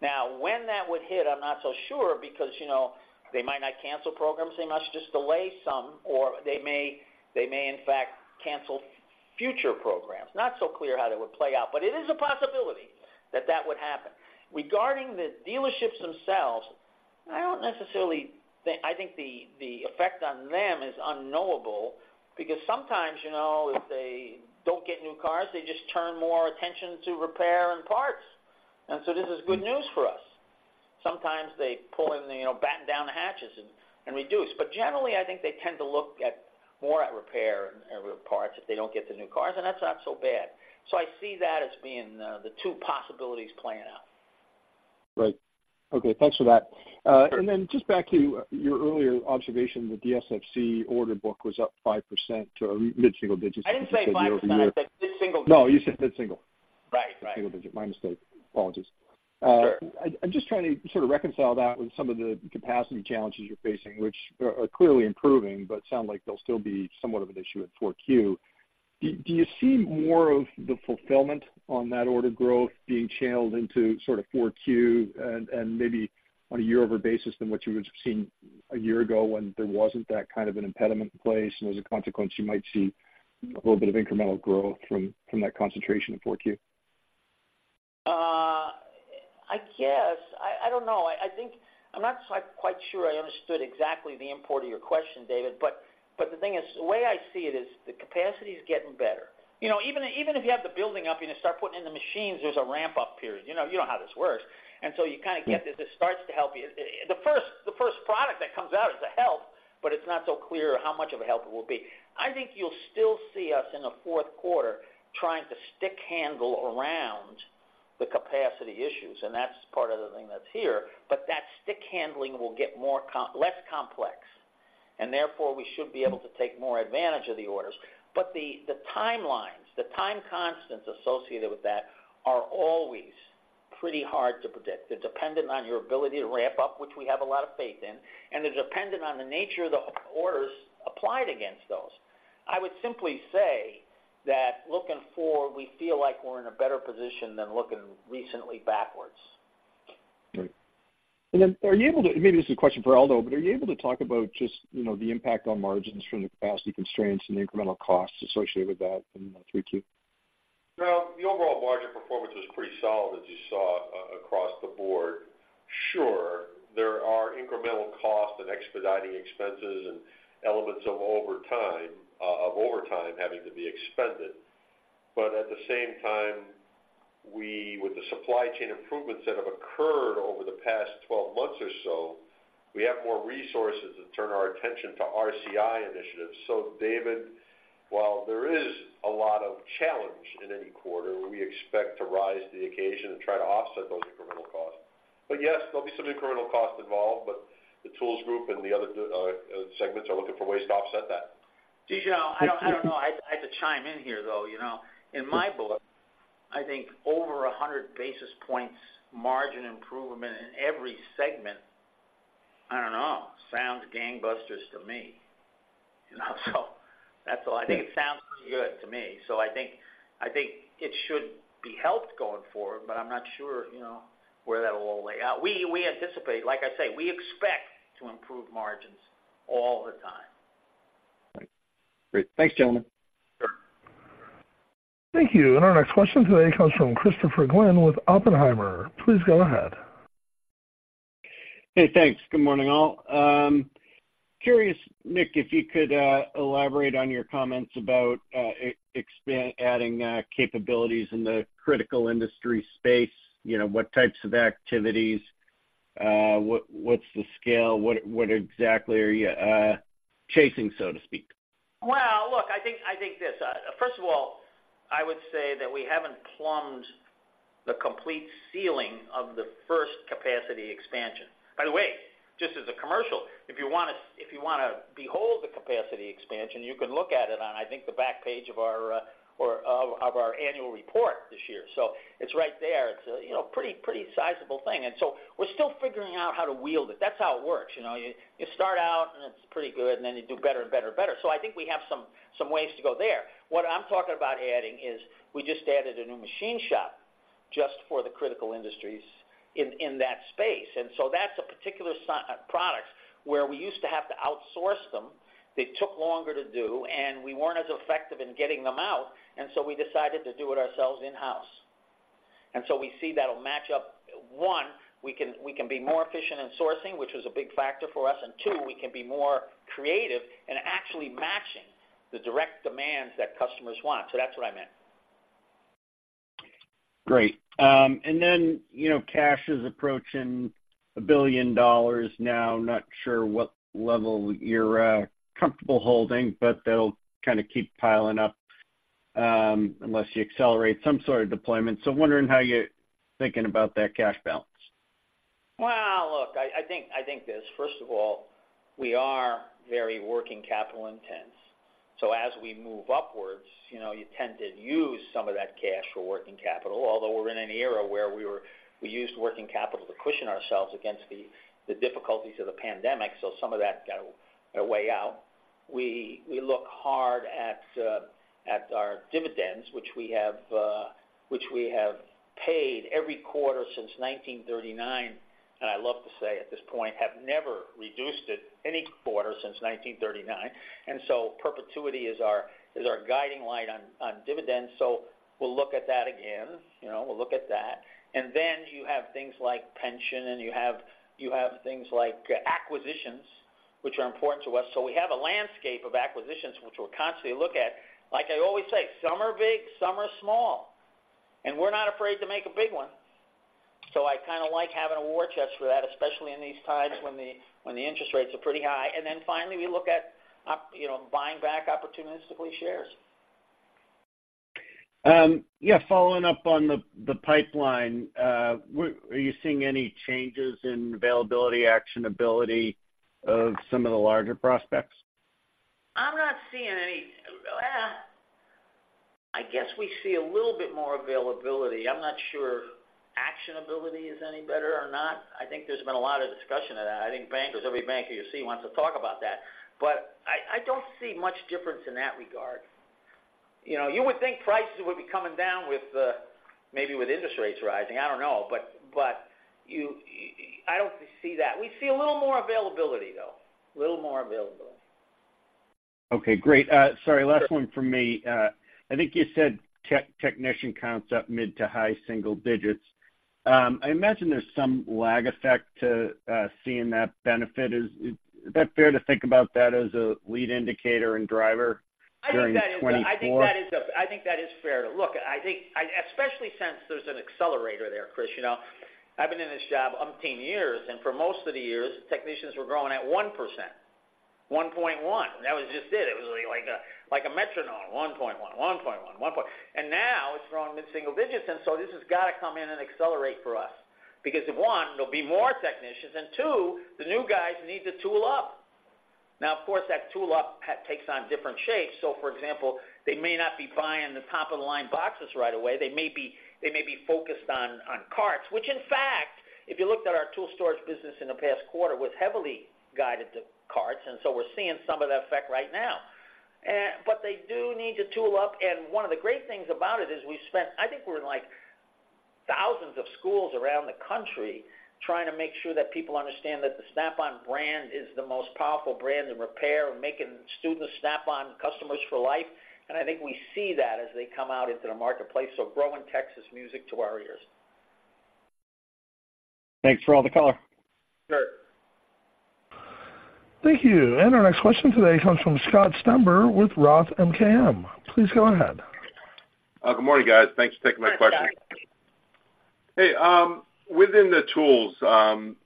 Now, when that would hit, I'm not so sure, because, you know, they might not cancel programs. They might just delay some, or they may, they may, in fact, cancel future programs. Not so clear how that would play out, but it is a possibility that that would happen. Regarding the dealerships themselves. I don't necessarily think. I think the, the effect on them is unknowable, because sometimes, you know, if they don't get new cars, they just turn more attention to repair and parts. And so this is good news for us. Sometimes they pull in, you know, batten down the hatches and, and reduce. But generally, I think they tend to look at more at repair and parts if they don't get the new cars, and that's not so bad. So I see that as being the two possibilities playing out. Right. Okay, thanks for that. And then just back to your earlier observation, the SFC order book was up 5% or mid-single digits. I didn't say 5%. I said mid-single digits. No, you said mid-single. Right, right. Mid-single digit. My mistake. Apologies. Sure. I'm just trying to sort of reconcile that with some of the capacity challenges you're facing, which are clearly improving, but sound like they'll still be somewhat of an issue at 4Q. Do you see more of the fulfillment on that order growth being channeled into sort of 4Q and maybe on a year-over-year basis than what you would have seen a year ago when there wasn't that kind of an impediment in place, and as a consequence, you might see a little bit of incremental growth from that concentration in 4Q? I guess. I don't know. I think, I'm not quite sure I understood exactly the import of your question, David. But the thing is, the way I see it is the capacity is getting better. You know, even if you have the building up, you start putting in the machines, there's a ramp-up period. You know how this works. And so you kind of get this, it starts to help you. The first product that comes out is a help, but it's not so clear how much of a help it will be. I think you'll still see us in the fourth quarter trying to stick handle around the capacity issues, and that's part of the thing that's here. But that stick handling will get more com-- less complex, and therefore, we should be able to take more advantage of the orders. But the timelines, the time constants associated with that are always pretty hard to predict. They're dependent on your ability to ramp up, which we have a lot of faith in, and they're dependent on the nature of the orders applied against those. I would simply say that looking forward, we feel like we're in a better position than looking recently backwards. Great. And then, are you able to, maybe this is a question for Aldo, but are you able to talk about just, you know, the impact on margins from the capacity constraints and the incremental costs associated with that in 3Q? Well, the overall margin performance was pretty solid, as you saw, across the board. Sure, there are incremental costs and expediting expenses and elements of overtime having to be expended. But at the same time, we, with the supply chain improvements that have occurred over the past 12 months or so, we have more resources to turn our attention to RCI initiatives. So, David, while there is a lot of challenge in any quarter, we expect to rise to the occasion and try to offset those incremental costs. But yes, there'll be some incremental costs involved, but the Tools Group and the other segments are looking for ways to offset that. Do you know, I don't know. I have to chime in here, though, you know. In my book, I think over 100 basis points margin improvement in every segment, I don't know, sounds gangbusters to me. You know, so that's all. I think it sounds pretty good to me. So I think it should be helped going forward, but I'm not sure, you know, where that'll all lay out. We anticipate, like I say, we expect to improve margins all the time. Great. Thanks, gentlemen. Sure. Thank you. Our next question today comes from Christopher Glynn with Oppenheimer. Please go ahead. Hey, thanks. Good morning, all. Curious, Nick, if you could elaborate on your comments about adding capabilities in the critical industry space. You know, what types of activities, what’s the scale? What exactly are you chasing, so to speak? Well, look, I think, I think this. First of all, I would say that we haven't plumbed the complete ceiling of the first capacity expansion. By the way, just as a commercial, if you want to, if you want to behold the capacity expansion, you can look at it on, I think, the back page of our, or of, of our annual report this year. So it's right there. It's, you know, pretty, pretty sizable thing. And so we're still figuring out how to wield it. That's how it works. You know, you, you start out, and it's pretty good, and then you do better and better and better. So I think we have some, some ways to go there. What I'm talking about adding is we just added a new machine shop just for the critical industries in, in that space. That's a particular product where we used to have to outsource them. They took longer to do, and we weren't as effective in getting them out, so we decided to do it ourselves in-house. So we see that'll match up. One, we can be more efficient in sourcing, which is a big factor for us, and two, we can be more creative in actually matching the direct demands that customers want. So that's what I meant. Great. And then, you know, cash is approaching $1 billion now. Not sure what level you're comfortable holding, but that'll kind of keep piling up, unless you accelerate some sort of deployment. So wondering how you're thinking about that cash balance? Well, look, I think this. First of all, we are very working capital intense. So as we move upwards, you know, you tend to use some of that cash for working capital, although we're in an era where we used working capital to cushion ourselves against the difficulties of the pandemic, so some of that got a way out. We look hard at our dividends, which we have paid every quarter since 1939, and I love to say at this point, have never reduced it any quarter since 1939. And so perpetuity is our guiding light on dividends. So we'll look at that again. You know, we'll look at that. And then you have things like pension, and you have things like acquisitions, which are important to us. So we have a landscape of acquisitions which we'll constantly look at. Like I always say, some are big, some are small, and we're not afraid to make a big one. So I kind of like having a war chest for that, especially in these times when the, when the interest rates are pretty high. And then finally, we look at, you know, buying back opportunistically shares. Yeah, following up on the pipeline, where are you seeing any changes in availability, actionability of some of the larger prospects? I'm not seeing any. I guess we see a little bit more availability. I'm not sure actionability is any better or not. I think there's been a lot of discussion of that. I think bankers, every banker you see wants to talk about that. But I, I don't see much difference in that regard. You know, you would think prices would be coming down with maybe with interest rates rising. I don't know, but, but you, I don't see that. We see a little more availability, though. A little more availability. Okay, great. Sorry, last one from me. I think you said technician count's up mid to high single digits. I imagine there's some lag effect to seeing that benefit. Is that fair to think about that as a lead indicator and driver during 2024? I think that is fair to look at. I think, especially since there's an accelerator there, Chris. You know, I've been in this job umpteen years, and for most of the years, technicians were growing at 1%, 1.1%, and that was just it. It was like a, like a metronome, 1.1%, 1.1%, 1%. And now it's growing mid-single digits, and so this has got to come in and accelerate for us. Because, one, there'll be more technicians, and two, the new guys need to tool up. Now, of course, that tool up takes on different shapes. So for example, they may not be buying the top-of-the-line boxes right away. They may be focused on carts, which in fact, if you looked at our tool storage business in the past quarter, was heavily guided to carts, and so we're seeing some of that effect right now. But they do need to tool up, and one of the great things about it is we've spent. I think we're in, like, thousands of schools around the country trying to make sure that people understand that the Snap-on brand is the most powerful brand in repair and making students Snap-on customers for life. And I think we see that as they come out into the marketplace. So growing tech is music to our ears. Thanks for all the color. Sure. Thank you. Our next question today comes from Scott Stember with Roth MKM. Please go ahead. Good morning, guys. Thanks for taking my question. Hi, Scott. Hey, within the tools, can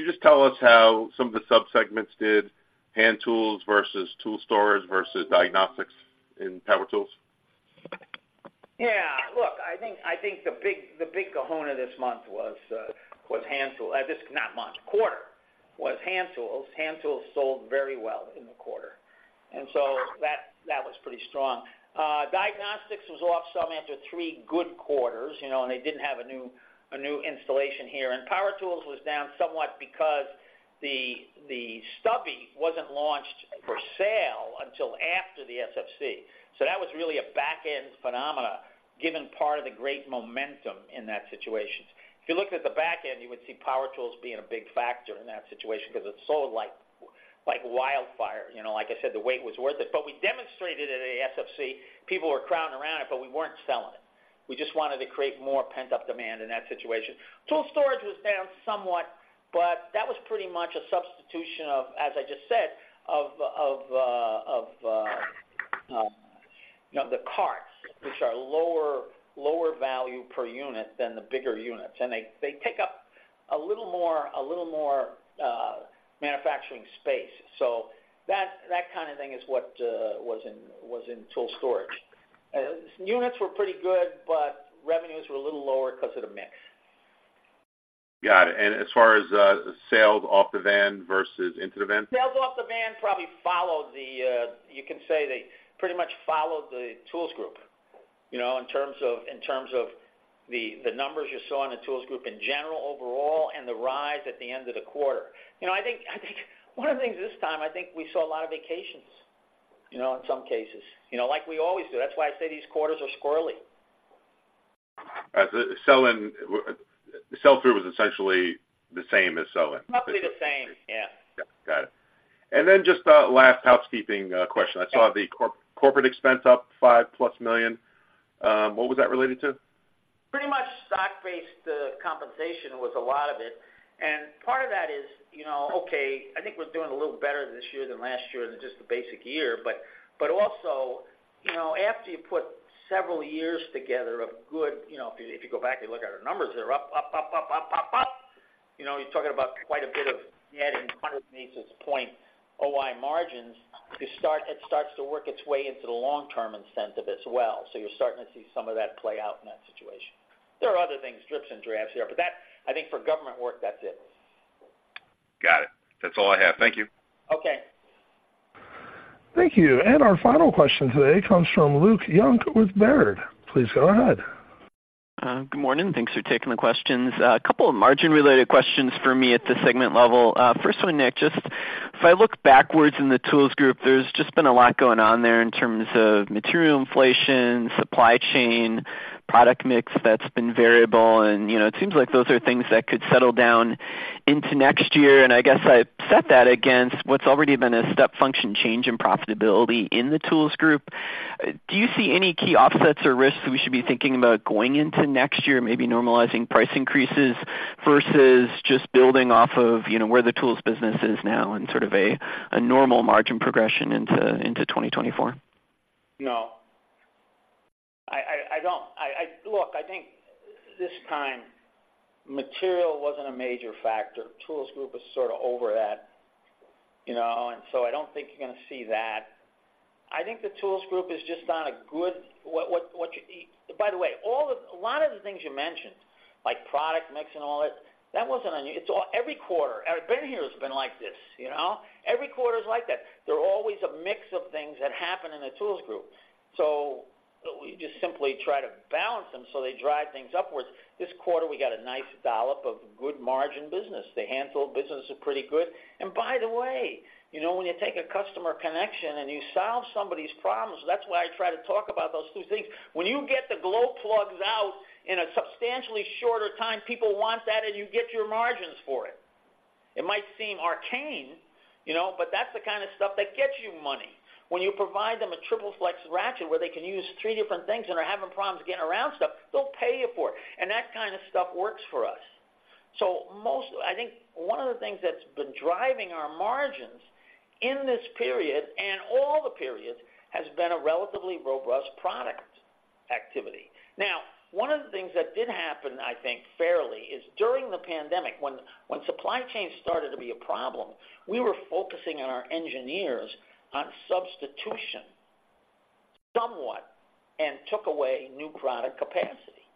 you just tell us how some of the subsegments did, hand tools versus tool storage versus diagnostics in power tools? Yeah, look, I think, I think the big, the big kahuna this month was, was hand tools. This not month, quarter, was hand tools. Hand tools sold very well in the quarter, and so that, that was pretty strong. Diagnostics was off some after three good quarters, you know, and they didn't have a new, a new installation here. And power tools was down somewhat because the, the Stubby wasn't launched for sale until after the SFC. So that was really a back-end phenomena, given part of the great momentum in that situation. If you looked at the back end, you would see power tools being a big factor in that situation because it sold like, like wildfire. You know, like I said, the wait was worth it. But we demonstrated it at SFC. People were crowding around it, but we weren't selling it. We just wanted to create more pent-up demand in that situation. Tool storage was down somewhat, but that was pretty much a substitution of, as I just said, you know, the carts, which are lower value per unit than the bigger units, and they take up a little more manufacturing space. So that kind of thing is what was in tool storage. Units were pretty good, but revenues were a little lower because of the mix. Got it. And as far as, the sales off the van versus into the van? Sales off the van probably followed the, you can say they pretty much followed the Tools Group, you know, in terms of, in terms of the, the numbers you saw in the Tools Group in general overall and the rise at the end of the quarter. You know, I think, I think one of the things this time, I think we saw a lot of vacations, you know, in some cases, you know, like we always do. That's why I say these quarters are squirrely. As the sell-in, the sell-through was essentially the same as sell-in? Probably the same, yeah. Yeah. Got it. And then just a last housekeeping question. I saw the corporate expense up $5+ million. What was that related to? Pretty much stock-based compensation was a lot of it. Part of that is, you know, okay, I think we're doing a little better this year than last year than just the basic year. But also, you know, after you put several years together of good, you know, if you go back and look at our numbers, they're up, up, up, up, up, up, up. You know, you're talking about quite a bit of adding 100 basis point OI margins. To start, it starts to work its way into the long-term incentive as well. So you're starting to see some of that play out in that situation. There are other things, drips and drabs here, but that, I think for government work, that's it. Got it. That's all I have. Thank you. Okay. Thank you. Our final question today comes from Luke Junk with Baird. Please go ahead. Good morning. Thanks for taking the questions. A couple of margin-related questions for me at the segment level. First one, Nick, just if I look backwards in the Tools Group, there's just been a lot going on there in terms of material inflation, supply chain, product mix that's been variable, and, you know, it seems like those are things that could settle down into next year. And I guess I set that against what's already been a step function change in profitability in the Tools Group. Do you see any key offsets or risks that we should be thinking about going into next year? Maybe normalizing price increases versus just building off of, you know, where the tools business is now and sort of a normal margin progression into 2024? No. I don't. Look, I think this time, material wasn't a major factor. Tools Group was sort of over that, you know, and so I don't think you're gonna see that. I think the Tools Group is just on a good what you. By the way, a lot of the things you mentioned, like product mix and all that, that wasn't on you. It's all every quarter. I've been here, it's been like this, you know? Every quarter is like that. There are always a mix of things that happen in the Tools Group. So we just simply try to balance them so they drive things upwards. This quarter, we got a nice dollop of good margin business. The hand tool business is pretty good. By the way, you know, when you take a customer connection and you solve somebody's problems, that's why I try to talk about those two things. When you get the glow plugs out in a substantially shorter time, people want that, and you get your margins for it. It might seem arcane, you know, but that's the kind of stuff that gets you money. When you provide them a triple flex ratchet, where they can use three different things and are having problems getting around stuff, they'll pay you for it, and that kind of stuff works for us. So, I think one of the things that's been driving our margins in this period and all the periods has been a relatively robust product activity. Now, one of the things that did happen, I think, fairly, is during the pandemic, when supply chain started to be a problem, we were focusing on our engineers on substitution somewhat and took away new product capacity.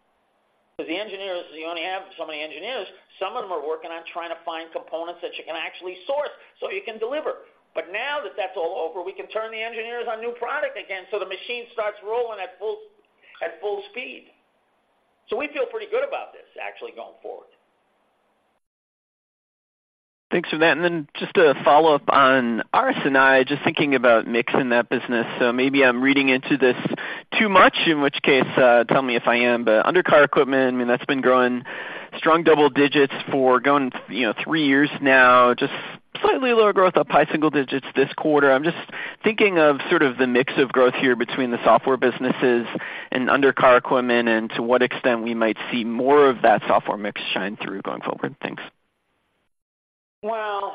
Because the engineers, you only have so many engineers, some of them are working on trying to find components that you can actually source so you can deliver. But now that that's all over, we can turn the engineers on new product again, so the machine starts rolling at full speed. So we feel pretty good about this actually going forward. Thanks for that. And then just a follow-up on RS&I, just thinking about mix in that business. So maybe I'm reading into this too much, in which case, tell me if I am. But undercar equipment, I mean, that's been growing strong double digits for going, you know, three years now, just slightly lower growth, up high single digits this quarter. I'm just thinking of sort of the mix of growth here between the software businesses and undercar equipment, and to what extent we might see more of that software mix shine through going forward. Thanks. Well,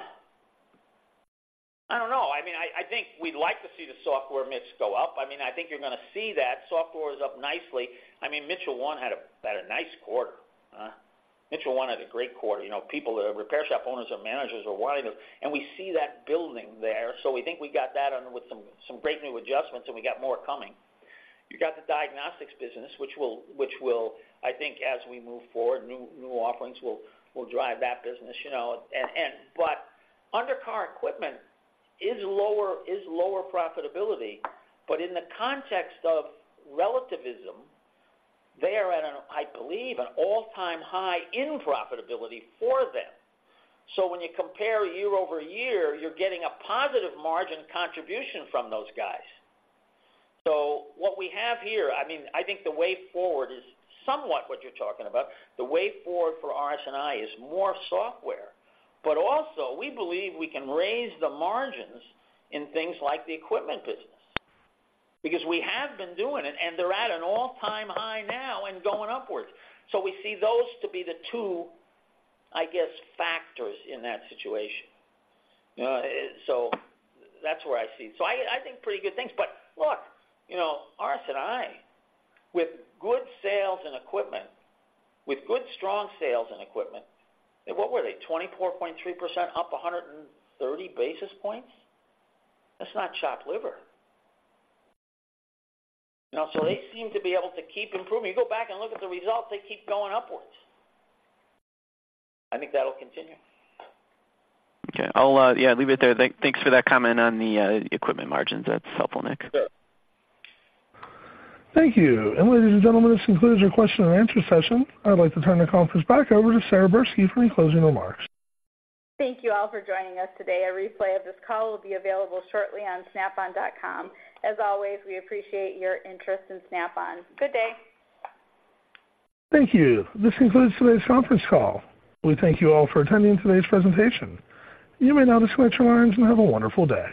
I don't know. I mean, I think we'd like to see the software mix go up. I mean, I think you're gonna see that software is up nicely. I mean, Mitchell 1 had a nice quarter. Mitchell 1 had a great quarter. You know, people, repair shop owners or managers are wanting to-- And we see that building there, so we think we got that under with some great new adjustments and we got more coming. You got the diagnostics business, which will, I think, as we move forward, new offerings will drive that business, you know, and but undercar equipment is lower profitability. But in the context of relativism, they are at an, I believe, an all-time high in profitability for them. So when you compare year-over-year, you're getting a positive margin contribution from those guys. So what we have here, I mean, I think the way forward is somewhat what you're talking about. The way forward for RS&I is more software, but also we believe we can raise the margins in things like the equipment business, because we have been doing it, and they're at an all-time high now and going upwards. So we see those to be the two, I guess, factors in that situation. You know, so that's where I see. So I, I think pretty good things. But look, you know, RS&I, with good sales and equipment, with good strong sales and equipment, what were they? 24.3%, up 130 basis points. That's not chopped liver. You know, so they seem to be able to keep improving. You go back and look at the results, they keep going upward. I think that'll continue. Okay. I'll, yeah, leave it there. Thanks for that comment on the equipment margins. That's helpful, Nick. Thank you. Ladies and gentlemen, this concludes our question and answer session. I'd like to turn the conference back over to Sara Verbsky for closing remarks. Thank you all for joining us today. A replay of this call will be available shortly on snapon.com. As always, we appreciate your interest in Snap-on. Good day. Thank you. This concludes today's conference call. We thank you all for attending today's presentation. You may now switch your lines and have a wonderful day.